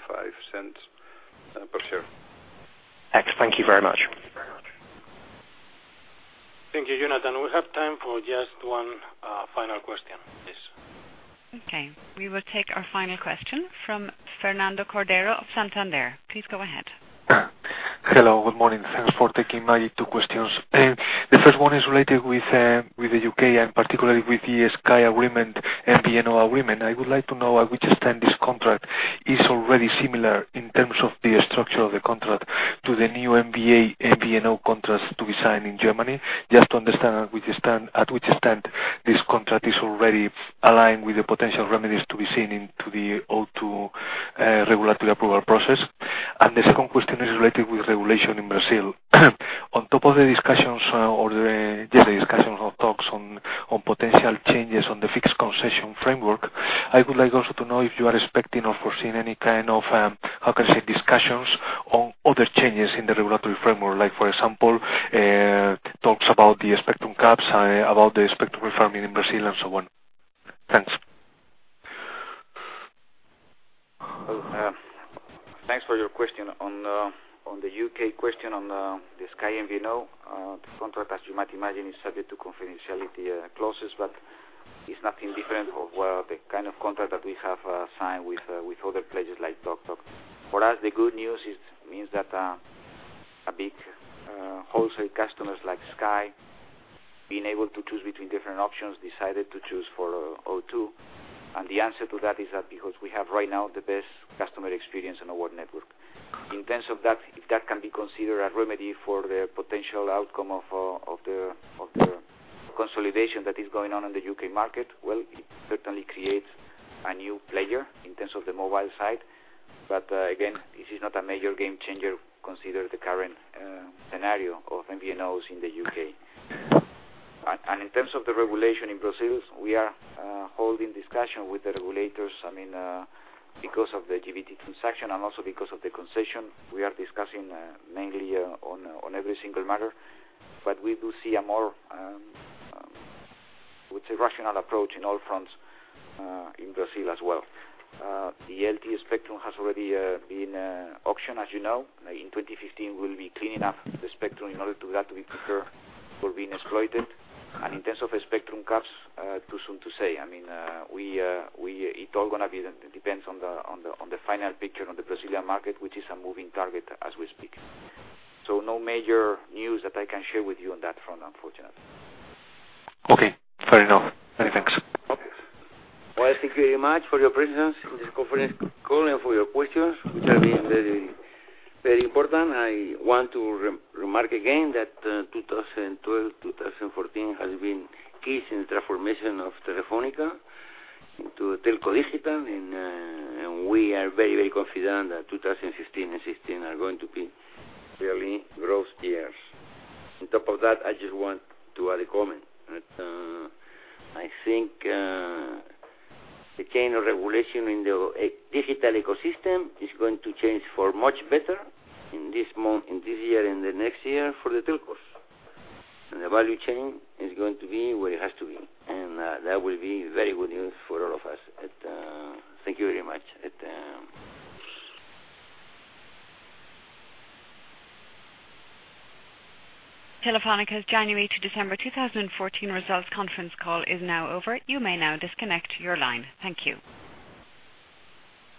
per share. Thanks. Thank you very much. Thank you, Jonathan. We have time for just one final question, please. Okay, we will take our final question from Fernando Cordero of Santander. Please go ahead. Hello. Good morning. Thanks for taking my two questions. The first one is related with the U.K. and particularly with the Sky agreement, MVNO agreement. I would like to know at which extent this contract is already similar in terms of the structure of the contract to the new MVNO contracts to be signed in Germany. Just to understand at which extent this contract is already aligned with the potential remedies to be seen into the O2 regulatory approval process. The second question is related with regulation in Brazil. On top of the discussions or talks on potential changes on the fixed concession framework, I would like also to know if you are expecting or foreseeing any kind of, how can I say, discussions on other changes in the regulatory framework, like for example, talks about the spectrum caps, about the spectrum reform in Brazil and so on. Thanks. Thanks for your question. On the U.K. question on the Sky MVNO, the contract, as you might imagine, is subject to confidentiality clauses, but it's nothing different of the kind of contract that we have signed with other players like TalkTalk. For us, the good news is means that a big wholesale customers like Sky being able to choose between different options, decided to choose for O2. The answer to that is that because we have right now the best customer experience on our network. In terms of that, if that can be considered a remedy for the potential outcome of the consolidation that is going on in the U.K. market, well, it certainly creates a new player in terms of the mobile side. Again, this is not a major game changer considering the current scenario of MVNOs in the U.K. In terms of the regulation in Brazil, we are holding discussion with the regulators, because of the GVT transaction and also because of the concession. We are discussing mainly on every single matter, but we do see a more, would say rational approach in all fronts in Brazil as well. The LTE spectrum has already been auctioned, as you know. In 2015, we'll be cleaning up the spectrum in order to that we prepare for being exploited. In terms of spectrum caps, too soon to say. It all going to be depends on the final picture on the Brazilian market, which is a moving target as we speak. No major news that I can share with you on that front, unfortunately. Okay, fair enough. Many thanks. Well, thank you very much for your presence in this conference call and for your questions, which have been very important. I want to remark again that 2012, 2014 has been keys in the transformation of Telefónica into telco digital, and we are very, very confident that 2015 and 2016 are going to be really growth years. On top of that, I just want to add a comment. I think the kind of regulation in the digital ecosystem is going to change for much better in this year and the next year for the telcos. The value chain is going to be where it has to be, and that will be very good news for all of us. Thank you very much. Telefónica's January to December 2014 results conference call is now over. You may now disconnect your line. Thank you.